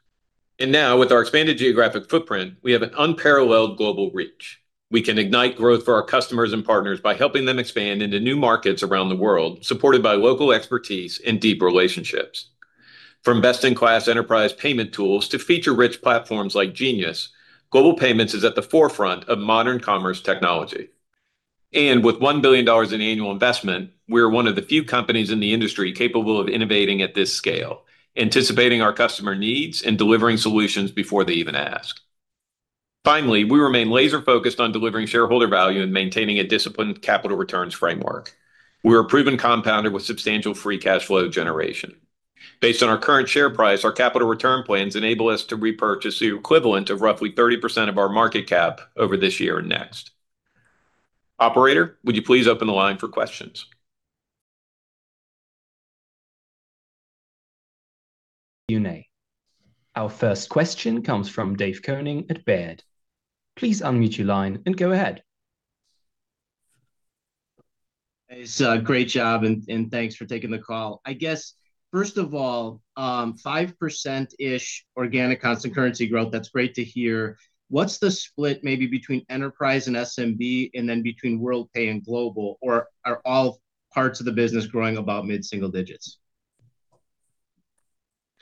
And now, with our expanded geographic footprint, we have an unparalleled global reach. We can ignite growth for our customers and partners by helping them expand into new markets around the world, supported by local expertise and deep relationships. From best-in-class enterprise payment tools to feature-rich platforms like Genius, Global Payments is at the forefront of modern commerce technology. With $1 billion in annual investment, we're one of the few companies in the industry capable of innovating at this scale, anticipating our customer needs, and delivering solutions before they even ask. Finally, we remain laser-focused on delivering shareholder value and maintaining a disciplined capital returns framework. We're a proven compounder with substantial free cash flow generation. Based on our current share price, our capital return plans enable us to repurchase the equivalent of roughly 30% of our market cap over this year and next. Operator, would you please open the line for questions? Q&A. Our first question comes from Dave Koning at Baird. Please unmute your line and go ahead. It's a great job, and thanks for taking the call. I guess, first of all, 5%-ish organic constant currency growth, that's great to hear. What's the split maybe between enterprise and SMB, and then between Worldpay and Global, or are all parts of the business growing about mid-single digits?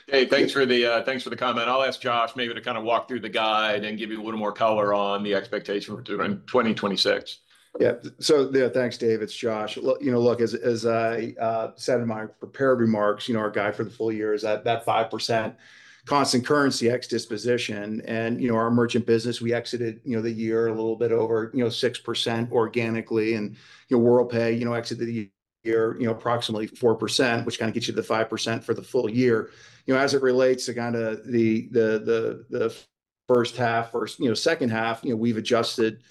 Hey, thanks for the comment. I'll ask Josh maybe to kind of walk through the guide and give you a little more color on the expectation for 2026. Yeah. So, yeah, thanks, Dave. It's Josh. Look, you know, look, as I said in my prepared remarks, you know, our guide for the full-year is at that 5% constant currency ex-disposition. And, you know, our merchant business, we exited, you know, the year a little bit over, you know, 6% organically. And, you know, Worldpay, you know, exited the year, you know, approximately 4%, which kind of gets you to the 5% for the full-year. You know, as it relates to kind of the first half or, you know, second half, you know, we've adjusted,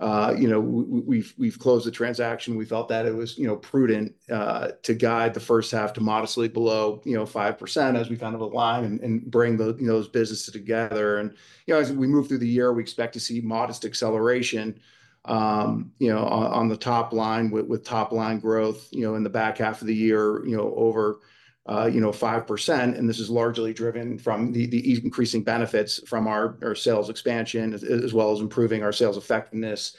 you know, we've closed the transaction. We felt that it was, you know, prudent to guide the first half to modestly below, you know, 5% as we found the line and, and bring those you know, those businesses together. You know, as we move through the year, we expect to see modest acceleration, you know, on, on the top line with, with top line growth, you know, in the back half of the year, you know, over, you know, 5%, and this is largely driven from the, the increasing benefits from our, our sales expansion, as well as improving our sales effectiveness.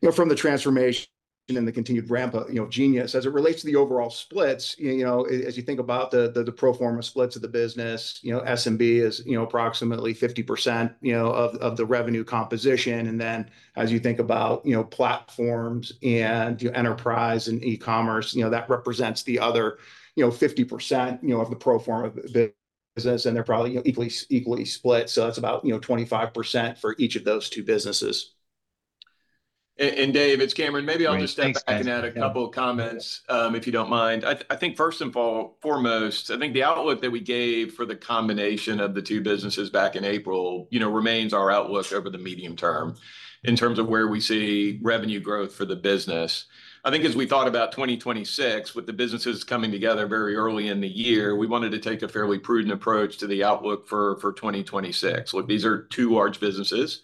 You know, from the transformation and the continued ramp-up, you know, Genius, as it relates to the overall splits, you know, as you think about the pro forma splits of the business, you know, SMB is, you know, approximately 50%, you know, of the revenue composition. And then, as you think about, you know, platforms and, you know, enterprise and e-commerce, you know, that represents the other, you know, 50%, you know, of the pro forma business, and they're probably, you know, equally split, so that's about, you know, 25% for each of those two businesses.... And Dave, it's Cameron. Maybe I'll just step back and add a couple of comments, if you don't mind. I, I think first and foremost, I think the outlook that we gave for the combination of the two businesses back in April, you know, remains our outlook over the medium term in terms of where we see revenue growth for the business. I think as we thought about 2026, with the businesses coming together very early in the year, we wanted to take a fairly prudent approach to the outlook for, for 2026. Look, these are two large businesses.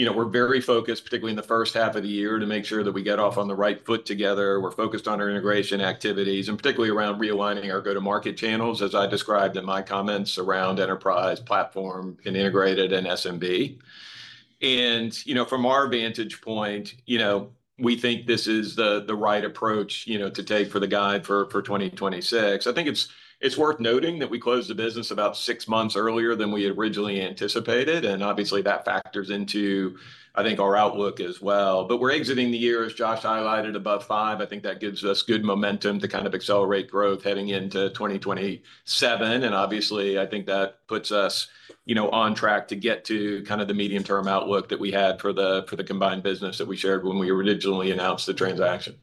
You know, we're very focused, particularly in the first half of the year, to make sure that we get off on the right foot together. We're focused on our integration activities, and particularly around realigning our go-to-market channels, as I described in my comments, around enterprise, platform, integrated, and SMB. And, you know, from our vantage point, you know, we think this is the, the right approach, you know, to take for the guide for, for 2026. I think it's, it's worth noting that we closed the business about 6 months earlier than we had originally anticipated, and obviously, that factors into, I think, our outlook as well. But we're exiting the year, as Josh highlighted, above 5. I think that gives us good momentum to kind of accelerate growth heading into 2027. And obviously, I think that puts us, you know, on track to get to kind of the medium-term outlook that we had for the, for the combined business that we shared when we originally announced the transaction.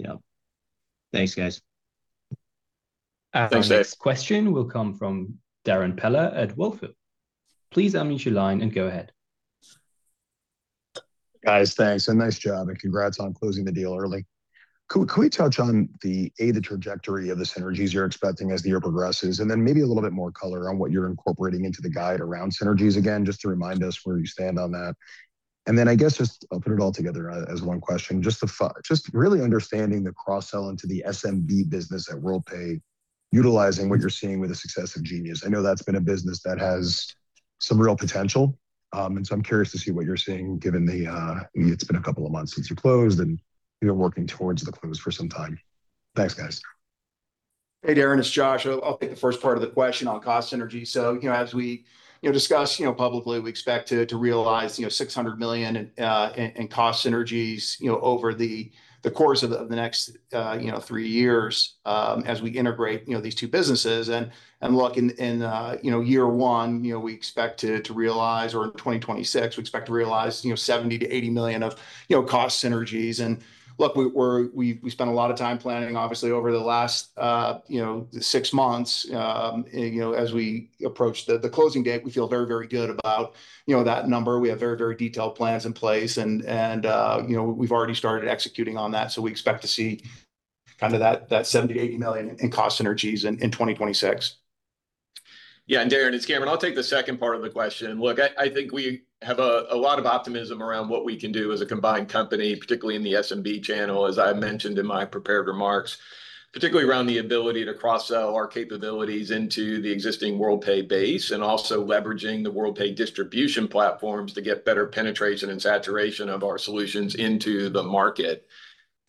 Yeah. Thanks, guys. Thanks, Dave. Our next question will come from Darrin Peller at Wolfe Research. Please unmute your line and go ahead. Guys, thanks, and nice job, and congrats on closing the deal early. Could we touch on the trajectory of the synergies you're expecting as the year progresses, and then maybe a little bit more color on what you're incorporating into the guide around synergies again, just to remind us where you stand on that? And then, I guess just I'll put it all together as one question, just really understanding the cross-sell into the SMB business at Worldpay, utilizing what you're seeing with the success of Genius. I know that's been a business that has some real potential, and so I'm curious to see what you're seeing given it's been a couple of months since you closed, and you've been working towards the close for some time? Thanks, guys. Hey, Darrin, it's Josh. I'll take the first part of the question on cost synergy. So, you know, as we, you know, discussed, you know, publicly, we expect to realize, you know, $600 million in cost synergies, you know, over the course of the next years, as we integrate, you know, these two businesses. And look, in year one, you know, we expect to realize or in 2026, we expect to realize, you know, $70 million-$80 million of cost synergies. And look, we spent a lot of time planning, obviously, over the last 6 months. You know, as we approach the closing date, we feel very, very good about, you know, that number. We have very, very detailed plans in place, and, you know, we've already started executing on that. So we expect to see kind of that $70-$80 million in cost synergies in 2026. Yeah, and Darrin, it's Cameron. I'll take the second part of the question. Look, I, I think we have a, a lot of optimism around what we can do as a combined company, particularly in the SMB channel, as I mentioned in my prepared remarks, particularly around the ability to cross-sell our capabilities into the existing Worldpay base, and also leveraging the Worldpay distribution platforms to get better penetration and saturation of our solutions into the market.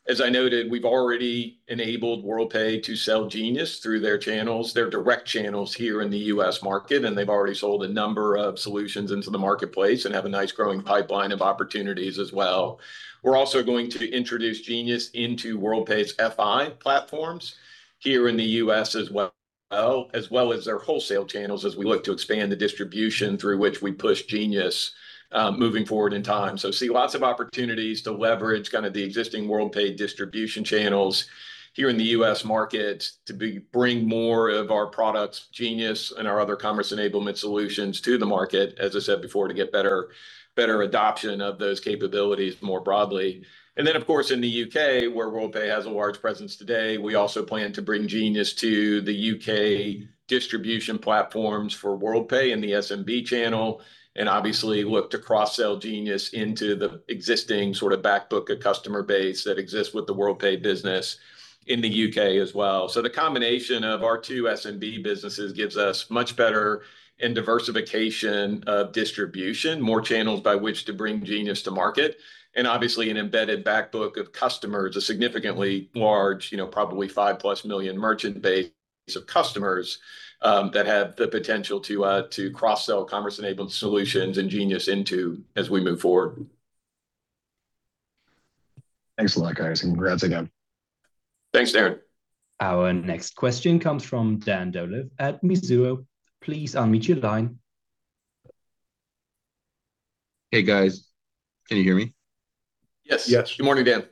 As I noted, we've already enabled Worldpay to sell Genius through their channels, their direct channels here in the U.S. market, and they've already sold a number of solutions into the marketplace and have a nice growing pipeline of opportunities as well. We're also going to introduce Genius into Worldpay's FI platforms here in the U.S. as well, as well as their wholesale channels, as we look to expand the distribution through which we push Genius, moving forward in time. So see lots of opportunities to leverage kind of the existing Worldpay distribution channels here in the U.S. market to bring more of our products, Genius and our other commerce enablement solutions, to the market, as I said before, to get better, better adoption of those capabilities more broadly. And then, of course, in the U.K., where Worldpay has a large presence today, we also plan to bring Genius to the U.K. distribution platforms for Worldpay in the SMB channel, and obviously look to cross-sell Genius into the existing sort of back book of customer base that exists with the Worldpay business in the U.K. as well. So the combination of our two SMB businesses gives us much better diversification of distribution, more channels by which to bring Genius to market, and obviously an embedded back book of customers, a significantly large, you know, probably 5+ million merchant base of customers, that have the potential to cross-sell commerce-enabled solutions and Genius into as we move forward. Thanks a lot, guys, and congrats again. Thanks, Darrin. Our next question comes from Dan Dolev at Mizuho. Please unmute your line. Hey, guys. Can you hear me? Yes. Yes. Good morning, Dan.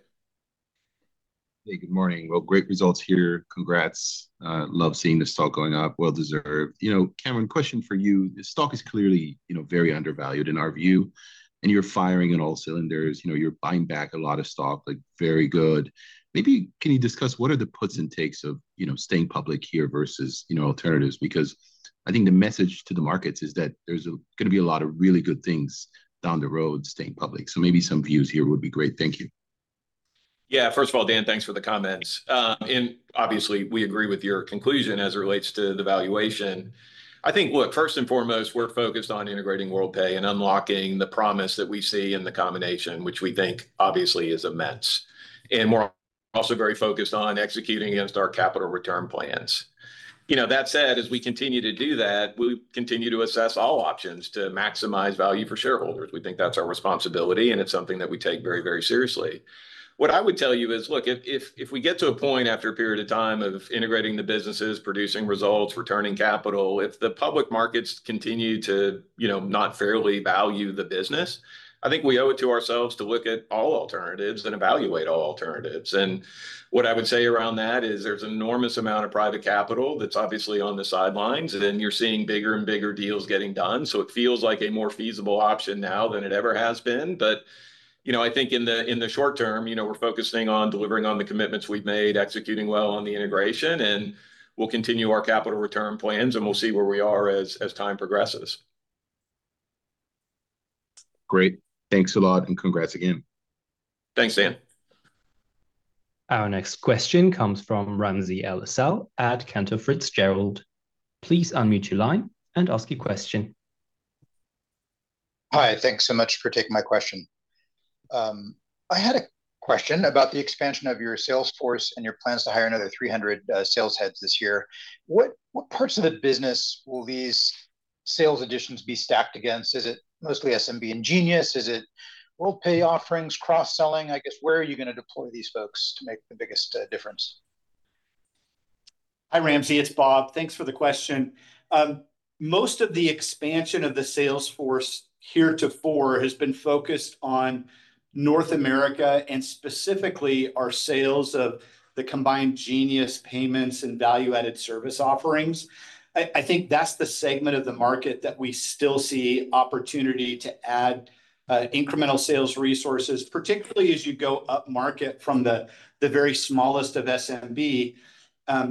Hey, good morning. Well, great results here. Congrats. Love seeing the stock going up. Well deserved. You know, Cameron, question for you: The stock is clearly, you know, very undervalued, in our view, and you're firing on all cylinders. You know, you're buying back a lot of stock, like, very good. Maybe can you discuss what are the puts and takes of, you know, staying public here versus, you know, alternatives? Because I think the message to the markets is that there's gonna be a lot of really good things down the road staying public, so maybe some views here would be great. Thank you. Yeah, first of all, Dan, thanks for the comments. And obviously, we agree with your conclusion as it relates to the valuation. I think, look, first and foremost, we're focused on integrating Worldpay and unlocking the promise that we see in the combination, which we think obviously is immense. Also very focused on executing against our capital return plans. You know, that said, as we continue to do that, we continue to assess all options to maximize value for shareholders. We think that's our responsibility, and it's something that we take very, very seriously. What I would tell you is, look, if we get to a point after a period of time of integrating the businesses, producing results, returning capital, if the public markets continue to, you know, not fairly value the business, I think we owe it to ourselves to look at all alternatives and evaluate all alternatives. And what I would say around that is there's enormous amount of private capital that's obviously on the sidelines, and then you're seeing bigger and bigger deals getting done. So it feels like a more feasible option now than it ever has been. But, you know, I think in the short term, you know, we're focusing on delivering on the commitments we've made, executing well on the integration, and we'll continue our capital return plans, and we'll see where we are as time progresses. Great. Thanks a lot, and congrats again. Thanks, Dan. Our next question comes from Ramsey El-Assal at Cantor Fitzgerald. Please unmute your line and ask your question. Hi, thanks so much for taking my question. I had a question about the expansion of your sales force and your plans to hire another 300 sales heads this year. What, what parts of the business will these sales additions be stacked against? Is it mostly SMB and Genius? Is it Worldpay offerings, cross-selling? I guess, where are you going to deploy these folks to make the biggest difference? Hi, Ramsey, it's Bob. Thanks for the question. Most of the expansion of the sales force heretofore has been focused on North America, and specifically our sales of the combined Genius payments and value-added service offerings. I think that's the segment of the market that we still see opportunity to add incremental sales resources, particularly as you go upmarket from the very smallest of SMB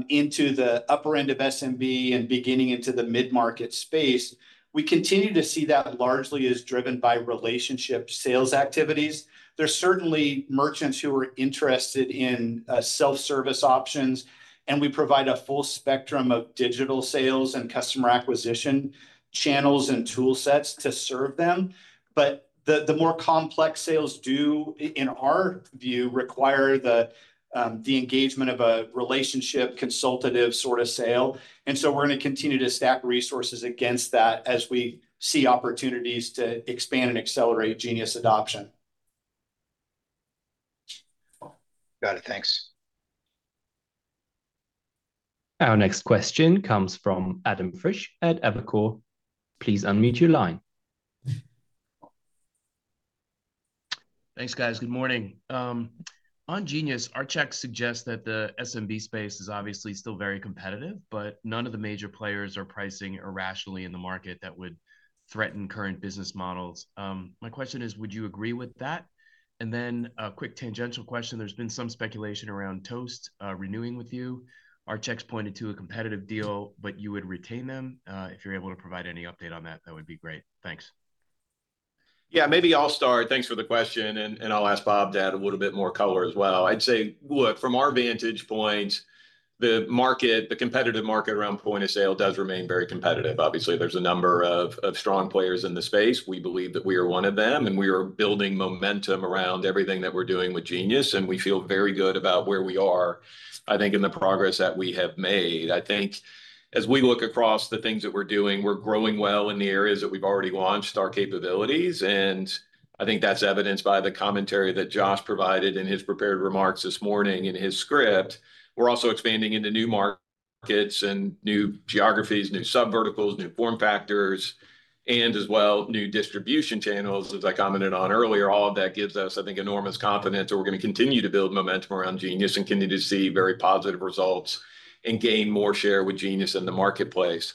into the upper end of SMB and beginning into the mid-market space. We continue to see that largely is driven by relationship sales activities. There's certainly merchants who are interested in self-service options, and we provide a full spectrum of digital sales and customer acquisition channels and toolsets to serve them. But the more complex sales do, in our view, require the engagement of a relationship, consultative sort of sale. And so we're going to continue to stack resources against that as we see opportunities to expand and accelerate Genius adoption. Got it. Thanks. Our next question comes from Adam Frisch at Evercore. Please unmute your line. Thanks, guys. Good morning. On Genius, our checks suggest that the SMB space is obviously still very competitive, but none of the major players are pricing irrationally in the market that would threaten current business models. My question is, would you agree with that? And then a quick tangential question, there's been some speculation around Toast renewing with you. Our checks pointed to a competitive deal, but you would retain them? If you're able to provide any update on that, that would be great. Thanks. Yeah, maybe I'll start. Thanks for the question, and I'll ask Bob to add a little bit more color as well. I'd say, look, from our vantage point, the market, the competitive market around point of sale does remain very competitive. Obviously, there's a number of strong players in the space. We believe that we are one of them, and we are building momentum around everything that we're doing with Genius, and we feel very good about where we are, I think, in the progress that we have made. I think as we look across the things that we're doing, we're growing well in the areas that we've already launched our capabilities, and I think that's evidenced by the commentary that Josh provided in his prepared remarks this morning in his script. We're also expanding into new markets and new geographies, new sub-verticals, new form factors, and as well, new distribution channels, as I commented on earlier. All of that gives us, I think, enormous confidence, and we're going to continue to build momentum around Genius and continue to see very positive results and gain more share with Genius in the marketplace.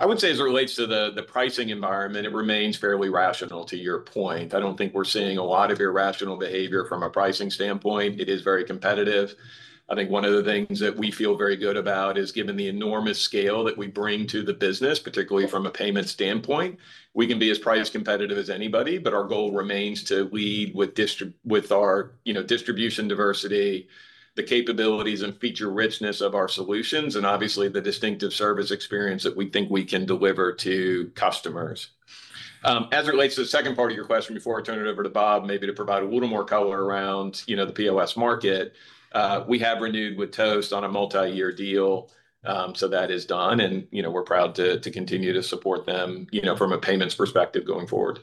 I would say, as it relates to the pricing environment, it remains fairly rational, to your point. I don't think we're seeing a lot of irrational behavior from a pricing standpoint. It is very competitive. I think one of the things that we feel very good about is, given the enormous scale that we bring to the business, particularly from a payment standpoint, we can be as price competitive as anybody, but our goal remains to lead with our, you know, distribution diversity, the capabilities and feature richness of our solutions, and obviously, the distinctive service experience that we think we can deliver to customers. As it relates to the second part of your question, before I turn it over to Bob, maybe to provide a little more color around, you know, the POS market, we have renewed with Toast on a multi-year deal. So that is done, and, you know, we're proud to continue to support them, you know, from a payments perspective going forward.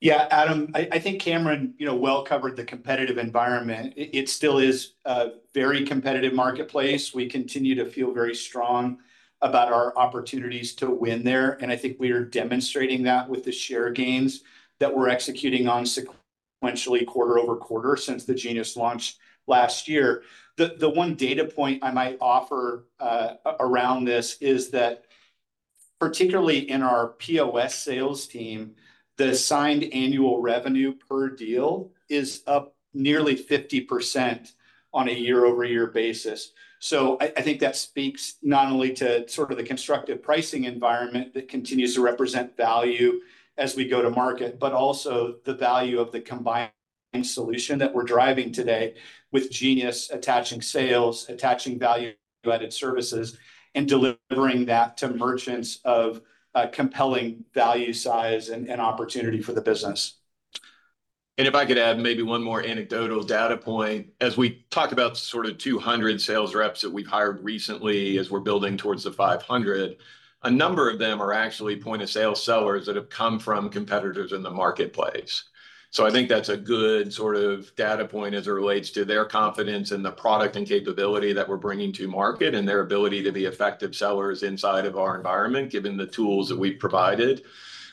Yeah, Adam, I think Cameron, you know, well covered the competitive environment. It still is a very competitive marketplace. We continue to feel very strong about our opportunities to win there, and I think we are demonstrating that with the share gains that we're executing on sequentially, quarter-over-quarter, since the Genius launch last year. The one data point I might offer around this is that particularly in our POS sales team, the signed annual revenue per deal is up nearly 50% on a year-over-year basis. I think that speaks not only to sort of the constructive pricing environment that continues to represent value as we go to market, but also the value of the combined solution that we're driving today with Genius, attaching sales, attaching value-added services, and delivering that to merchants of a compelling value, size, and opportunity for the business. If I could add maybe one more anecdotal data point, as we talk about sort of 200 sales reps that we've hired recently as we're building towards the 500, a number of them are actually point-of-sale sellers that have come from competitors in the marketplace. So I think that's a good sort of data point as it relates to their confidence in the product and capability that we're bringing to market, and their ability to be effective sellers inside of our environment, given the tools that we've provided.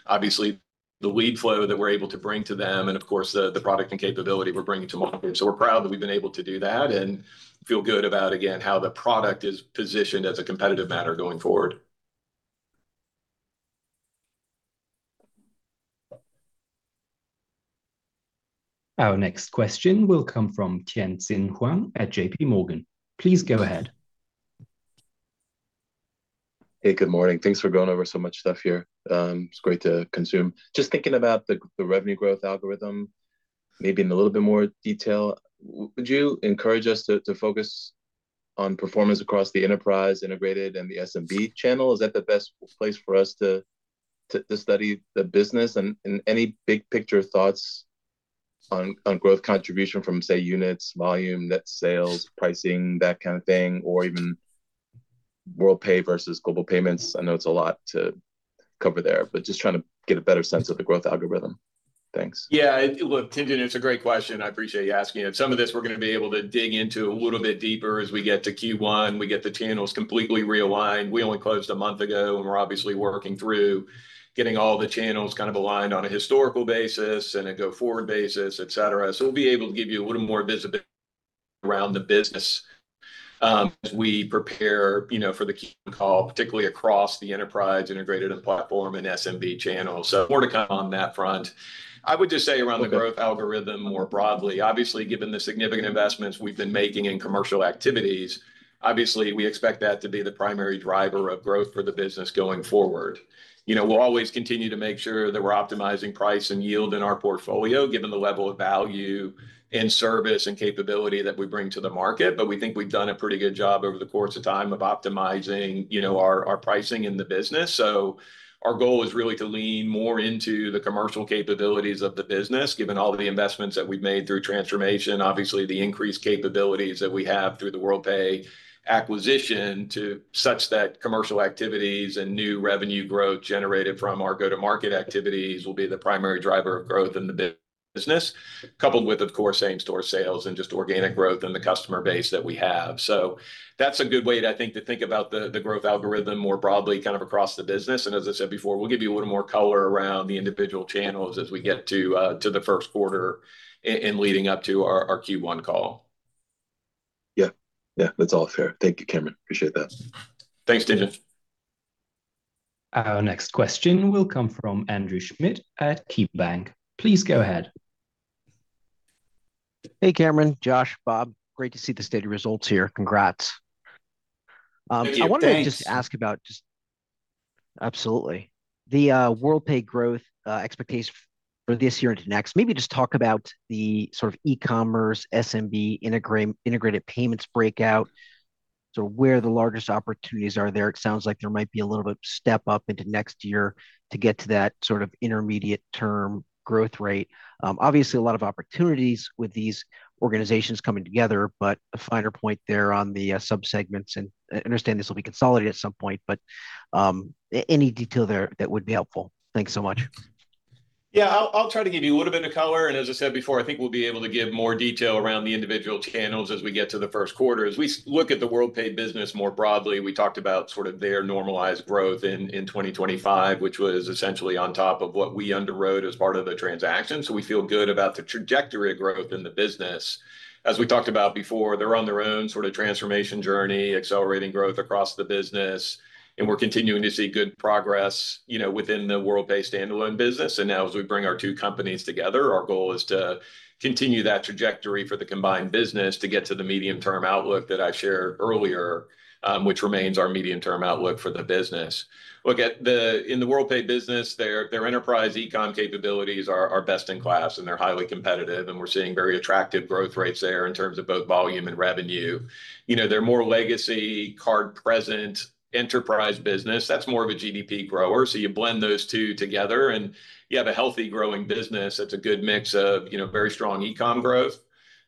Obviously, the lead flow that we're able to bring to them, and of course, the product and capability we're bringing to market. So we're proud that we've been able to do that, and feel good about, again, how the product is positioned as a competitive matter going forward. Our next question will come from Tien-Tsin Huang at J.P. Morgan. Please go ahead. Hey, good morning. Thanks for going over so much stuff here. It's great to consume. Just thinking about the revenue growth algorithm, maybe in a little bit more detail, would you encourage us to focus on performance across the Enterprise, Integrated, and the SMB channel? Is that the best place for us to study the business? And any big-picture thoughts on growth contribution from, say, units, volume, net sales, pricing, that kind of thing, or even Worldpay versus Global Payments? I know it's a lot to cover there, but just trying to get a better sense of the growth algorithm. Thanks. Yeah, look, Tien-Tsin, it's a great question, I appreciate you asking it. Some of this, we're gonna be able to dig into a little bit deeper as we get to Q1, we get the channels completely realigned. We only closed a month ago, and we're obviously working through getting all the channels kind of aligned on a historical basis and a go-forward basis, et cetera. So we'll be able to give you a little more visibility around the business, as we prepare, you know, for the key call, particularly across the Enterprise, Integrated, and Platforms, and SMB channel. So more to come on that front. I would just say around the growth algorithm, more broadly, obviously, given the significant investments we've been making in commercial activities, obviously, we expect that to be the primary driver of growth for the business going forward. You know, we'll always continue to make sure that we're optimizing price and yield in our portfolio, given the level of value and service and capability that we bring to the market, but we think we've done a pretty good job over the course of time of optimizing, you know, our, our pricing in the business. So our goal is really to lean more into the commercial capabilities of the business, given all of the investments that we've made through transformation. Obviously, the increased capabilities that we have through the Worldpay acquisition to such that commercial activities and new revenue growth generated from our go-to-market activities will be the primary driver of growth in the business, coupled with, of course, same-store sales and just organic growth in the customer base that we have. So that's a good way, I think, to think about the growth algorithm more broadly, kind of across the business. And as I said before, we'll give you a little more color around the individual channels as we get to the first quarter and leading up to our Q1 call. Yeah. Yeah, that's all fair. Thank you, Cameron. Appreciate that. Thanks, Tien-Tsin. Our next question will come from Andrew Schmidt at KeyBanc. Please go ahead. Hey, Cameron, Josh, Bob, great to see the stated results here. Congrats. Hey, thanks. I wanted to just ask about just the Worldpay growth expectation for this year into next. Maybe just talk about the sort of e-commerce, SMB, integrated payments breakout, so where the largest opportunities are there. It sounds like there might be a little bit of step up into next year to get to that sort of intermediate-term growth rate. Obviously, a lot of opportunities with these organizations coming together, but a finer point there on the sub-segments. And I understand this will be consolidated at some point, but any detail there, that would be helpful. Thanks so much. Yeah, I'll try to give you a little bit of color, and as I said before, I think we'll be able to give more detail around the individual channels as we get to the first quarter. As we look at the Worldpay business more broadly, we talked about sort of their normalized growth in 2025, which was essentially on top of what we underwrote as part of the transaction, so we feel good about the trajectory of growth in the business. As we talked about before, they're on their own sort of transformation journey, accelerating growth across the business, and we're continuing to see good progress, you know, within the Worldpay standalone business. And now, as we bring our two companies together, our goal is to continue that trajectory for the combined business to get to the medium-term outlook that I shared earlier, which remains our medium-term outlook for the business. Look, in the Worldpay business, their enterprise e-com capabilities are best-in-class, and they're highly competitive, and we're seeing very attractive growth rates there in terms of both volume and revenue. You know, they're more legacy, card-present enterprise business. That's more of a GDP grower, so you blend those two together, and you have a healthy, growing business that's a good mix of, you know, very strong e-com growth,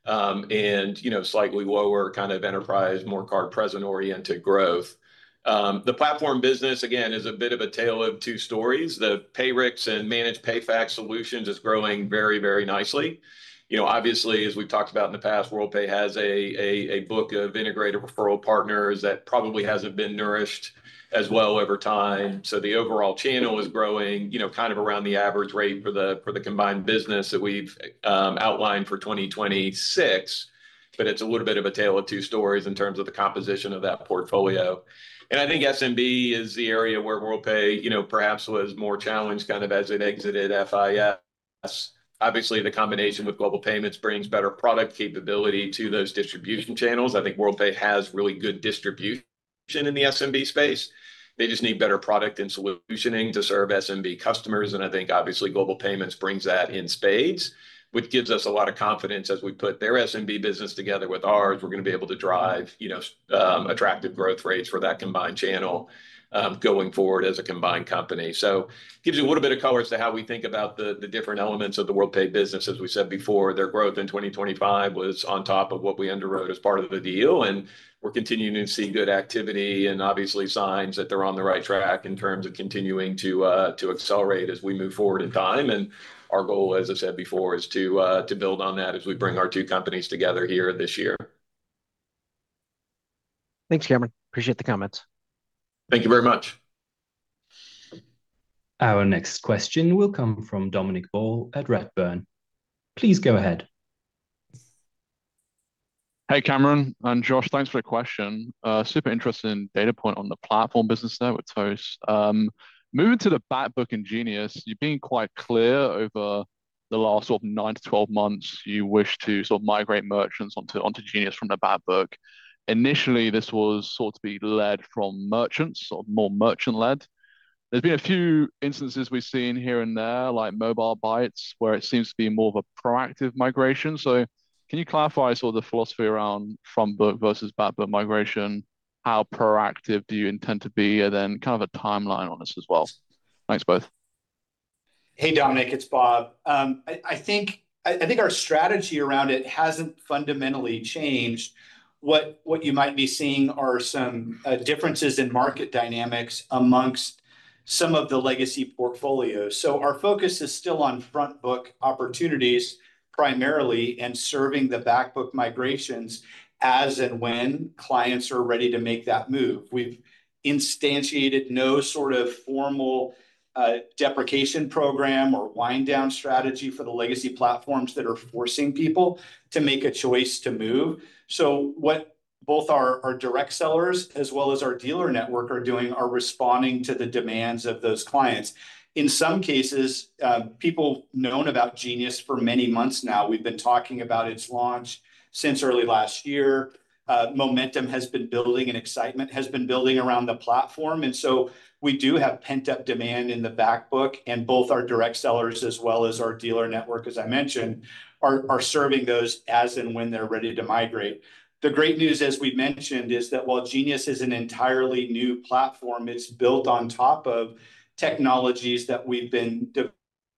and, you know, slightly lower kind of enterprise, more card-present-oriented growth. The platform business, again, is a bit of a tale of two stories. The Payrix and Managed PayFac solutions is growing very, very nicely. You know, obviously, as we've talked about in the past, Worldpay has a book of integrated referral partners that probably hasn't been nourished as well over time. So the overall channel is growing, you know, kind of around the average rate for the combined business that we've outlined for 2026, but it's a little bit of a tale of two stories in terms of the composition of that portfolio. And I think SMB is the area where Worldpay, you know, perhaps was more challenged, kind of as it exited FIS. Obviously, the combination with Global Payments brings better product capability to those distribution channels. I think Worldpay has really good distribution in the SMB space. They just need better product and solutioning to serve SMB customers, and I think obviously Global Payments brings that in spades, which gives us a lot of confidence as we put their SMB business together with ours. We're gonna be able to drive, you know, attractive growth rates for that combined channel, going forward as a combined company. So it gives you a little bit of color as to how we think about the different elements of the Worldpay business. As we said before, their growth in 2025 was on top of what we underwrote as part of the deal, and we're continuing to see good activity and obviously signs that they're on the right track in terms of continuing to accelerate as we move forward in time, and our goal, as I've said before, is to build on that as we bring our two companies together here this year. Thanks, Cameron. Appreciate the comments. Thank you very much. Our next question will come from Dominic Ball at Redburn. Please go ahead. Hey, Cameron and Josh, thanks for the question. Super interested in data point on the platform business there with Toast. Moving to the back book in Genius, you've been quite clear over the last sort of 9-12 months, you wish to sort of migrate merchants onto, onto Genius from the back book. Initially, this was sort of to be led from merchants or more merchant-led. There's been a few instances we've seen here and there, like MobileBytes, where it seems to be more of a proactive migration. So can you clarify sort of the philosophy around front book versus back book migration? How proactive do you intend to be, and then kind of a timeline on this as well? Thanks, both. Hey, Dominic, it's Bob. I think our strategy around it hasn't fundamentally changed. What you might be seeing are some differences in market dynamics amongst some of the legacy portfolios. So our focus is still on front book opportunities, primarily, and serving the back book migrations as and when clients are ready to make that move. We've instantiated no sort of formal deprecation program or wind down strategy for the legacy platforms that are forcing people to make a choice to move. So what both our direct sellers, as well as our dealer network are doing, are responding to the demands of those clients. In some cases, people have known about Genius for many months now. We've been talking about its launch since early last year. Momentum has been building, and excitement has been building around the platform, and so we do have pent-up demand in the back book, and both our direct sellers, as well as our dealer network, as I mentioned, are, are serving those as and when they're ready to migrate. The great news, as we've mentioned, is that while Genius is an entirely new platform, it's built on top of technologies that we've been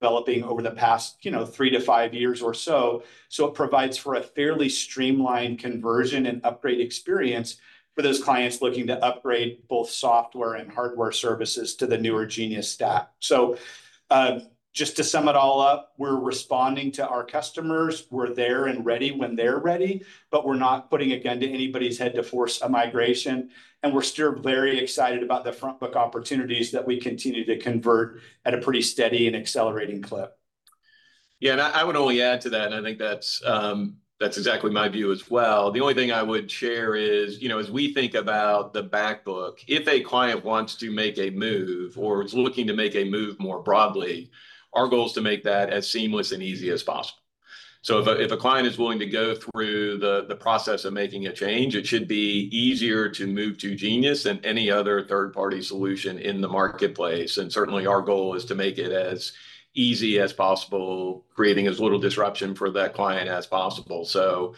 developing over the past, you know, 3-5 years or so. So it provides for a fairly streamlined conversion and upgrade experience for those clients looking to upgrade both software and hardware services to the newer Genius stack. So, just to sum it all up, we're responding to our customers. We're there and ready when they're ready, but we're not putting a gun to anybody's head to force a migration, and we're still very excited about the front book opportunities that we continue to convert at a pretty steady and accelerating clip. Yeah, and I would only add to that, and I think that's exactly my view as well. The only thing I would share is, you know, as we think about the back book, if a client wants to make a move or is looking to make a move more broadly, our goal is to make that as seamless and easy as possible. So if a client is willing to go through the process of making a change, it should be easier to move to Genius than any other third-party solution in the marketplace, and certainly, our goal is to make it as easy as possible, creating as little disruption for that client as possible. So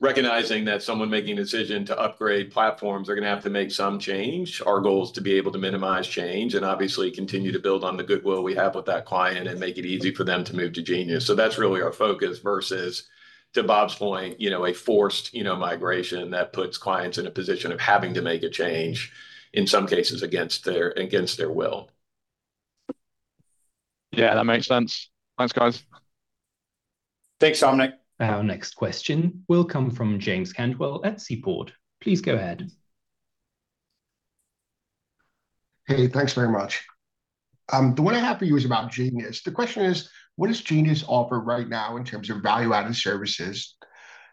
recognizing that someone making a decision to upgrade platforms are gonna have to make some change, our goal is to be able to minimize change and obviously continue to build on the goodwill we have with that client and make it easy for them to move to Genius. So that's really our focus versus, to Bob's point, you know, a forced, you know, migration that puts clients in a position of having to make a change, in some cases, against their, against their will. Yeah, that makes sense. Thanks, guys. Thanks, Dominic. Our next question will come from James Cantwell at Seaport. Please go ahead. Hey, thanks very much. The one I have for you is about Genius. The question is, what does Genius offer right now in terms of value-added services?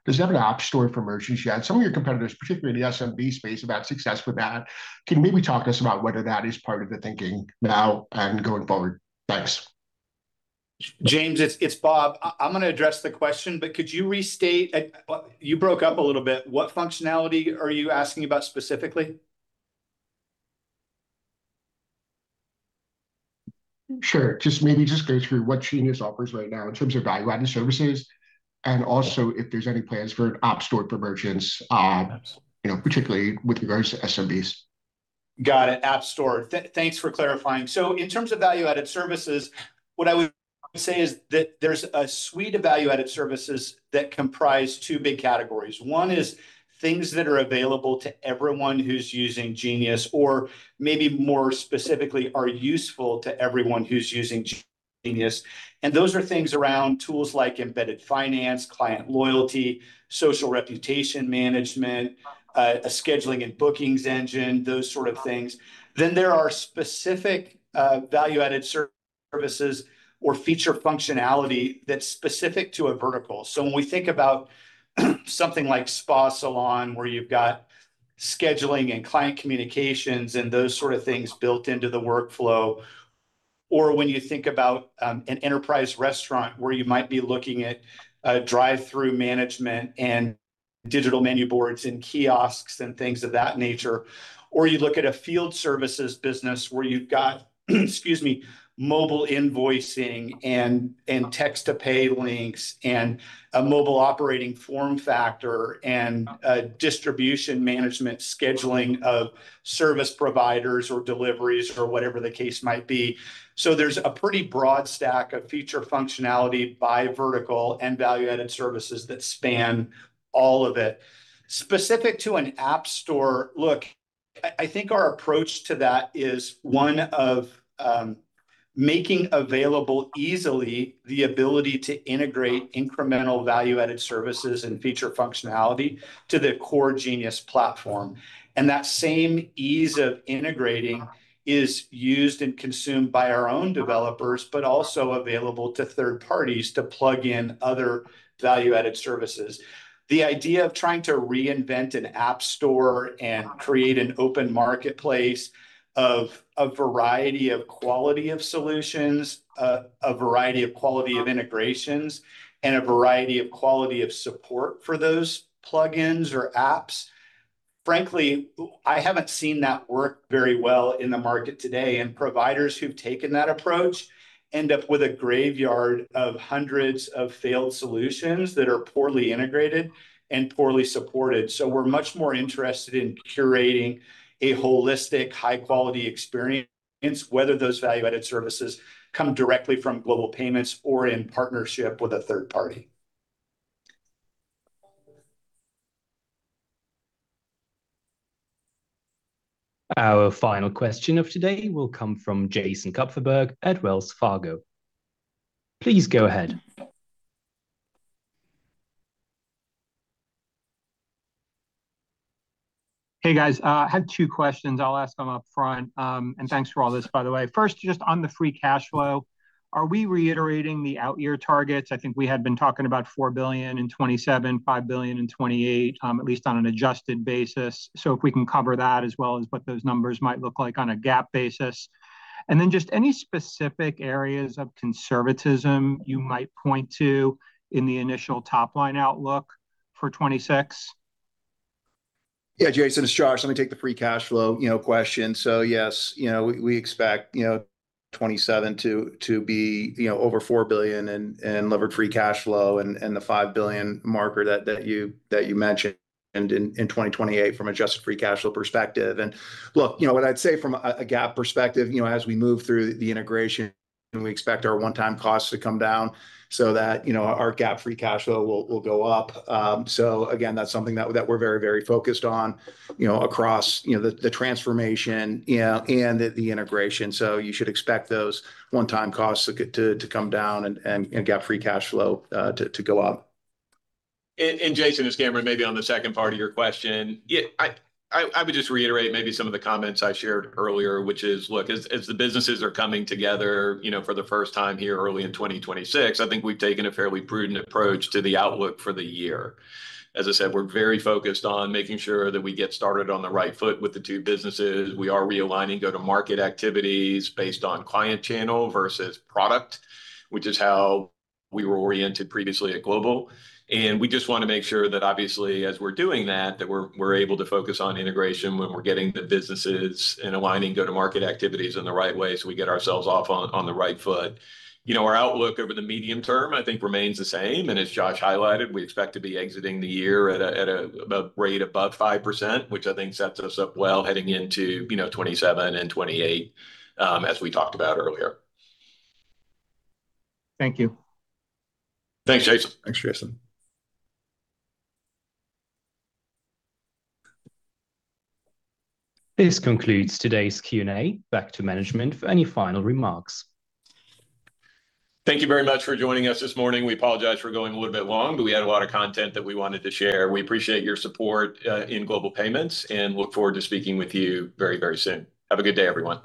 Does it have an app store for merchants yet? Some of your competitors, particularly in the SMB space, have had success with that. Can you maybe talk to us about whether that is part of the thinking now and going forward? Thanks. James, it's Bob. I'm gonna address the question, but could you restate? You broke up a little bit. What functionality are you asking about specifically? Sure. Just maybe just go through what Genius offers right now in terms of value-added services, and also if there's any plans for an app store for merchants. Got it.... you know, particularly with regards to SMBs. Got it, App Store. Thanks for clarifying. So in terms of value-added services, what I would say is that there's a suite of value-added services that comprise two big categories. One is things that are available to everyone who's using Genius or maybe more specifically, are useful to everyone who's using Genius, and those are things around tools like embedded finance, client loyalty, social reputation management, a scheduling and bookings engine, those sort of things. Then there are specific value-added services or feature functionality that's specific to a vertical. So when we think about something like spa, salon, where you've got scheduling and client communications and those sort of things built into the workflow or when you think about an enterprise restaurant where you might be looking at a drive-through management and digital menu boards and kiosks and things of that nature. Or you look at a field services business where you've got, excuse me, mobile invoicing and, and text-to-pay links, and a mobile operating form factor, and a distribution management scheduling of service providers or deliveries or whatever the case might be. So there's a pretty broad stack of feature functionality by vertical and value-added services that span all of it. Specific to an app store, look, I, I think our approach to that is one of, making available easily the ability to integrate incremental value-added services and feature functionality to the core Genius platform. And that same ease of integrating is used and consumed by our own developers, but also available to third parties to plug in other value-added services. The idea of trying to reinvent an app store and create an open marketplace of a variety of quality of solutions, a variety of quality of integrations, and a variety of quality of support for those plugins or apps, frankly, I haven't seen that work very well in the market today. Providers who've taken that approach end up with a graveyard of hundreds of failed solutions that are poorly integrated and poorly supported. We're much more interested in curating a holistic, high-quality experience, whether those value-added services come directly from Global Payments or in partnership with a third party. Our final question of today will come from Jason Kupferberg at Wells Fargo. Please go ahead. Hey, guys. I had two questions. I'll ask them upfront. And thanks for all this, by the way. First, just on the free cash flow, are we reiterating the out-year targets? I think we had been talking about $4 billion in 2027, $5 billion in 2028, at least on an adjusted basis. So if we can cover that, as well as what those numbers might look like on a GAAP basis. And then just any specific areas of conservatism you might point to in the initial top-line outlook for 2026? Yeah, Jason, it's Josh. Let me take the free cash flow, you know, question. So yes, you know, we expect, you know, 2027 to be over $4 billion in levered free cash flow and the $5 billion mark that you mentioned in 2028 from adjusted free cash flow perspective. And look, you know what I'd say from a GAAP perspective, you know, as we move through the integration, and we expect our one-time costs to come down so that, you know, our GAAP free cash flow will go up. So again, that's something that we're very focused on, you know, across the transformation, you know, and the integration. So you should expect those one-time costs to come down, and GAAP free cash flow to go up. Jason, it's Cameron. Maybe on the second part of your question, yeah, I would just reiterate maybe some of the comments I shared earlier, which is, look, as the businesses are coming together, you know, for the first time here early in 2026, I think we've taken a fairly prudent approach to the outlook for the year. As I said, we're very focused on making sure that we get started on the right foot with the two businesses. We are realigning go-to-market activities based on client channel versus product, which is how we were oriented previously at Global. And we just want to make sure that obviously, as we're doing that, that we're able to focus on integration when we're getting the businesses and aligning go-to-market activities in the right way, so we get ourselves off on the right foot. You know, our outlook over the medium term, I think remains the same, and as Josh highlighted, we expect to be exiting the year at about a rate above 5%, which I think sets us up well heading into, you know, 2027 and 2028, as we talked about earlier. Thank you. Thanks, Jason. Thanks, Jason. This concludes today's Q&A. Back to management for any final remarks. Thank you very much for joining us this morning. We apologizeF for going a little bit long, but we had a lot of content that we wanted to share. We appreciate your support in Global Payments, and look forward to speaking with you very, very soon. Have a good day, everyone.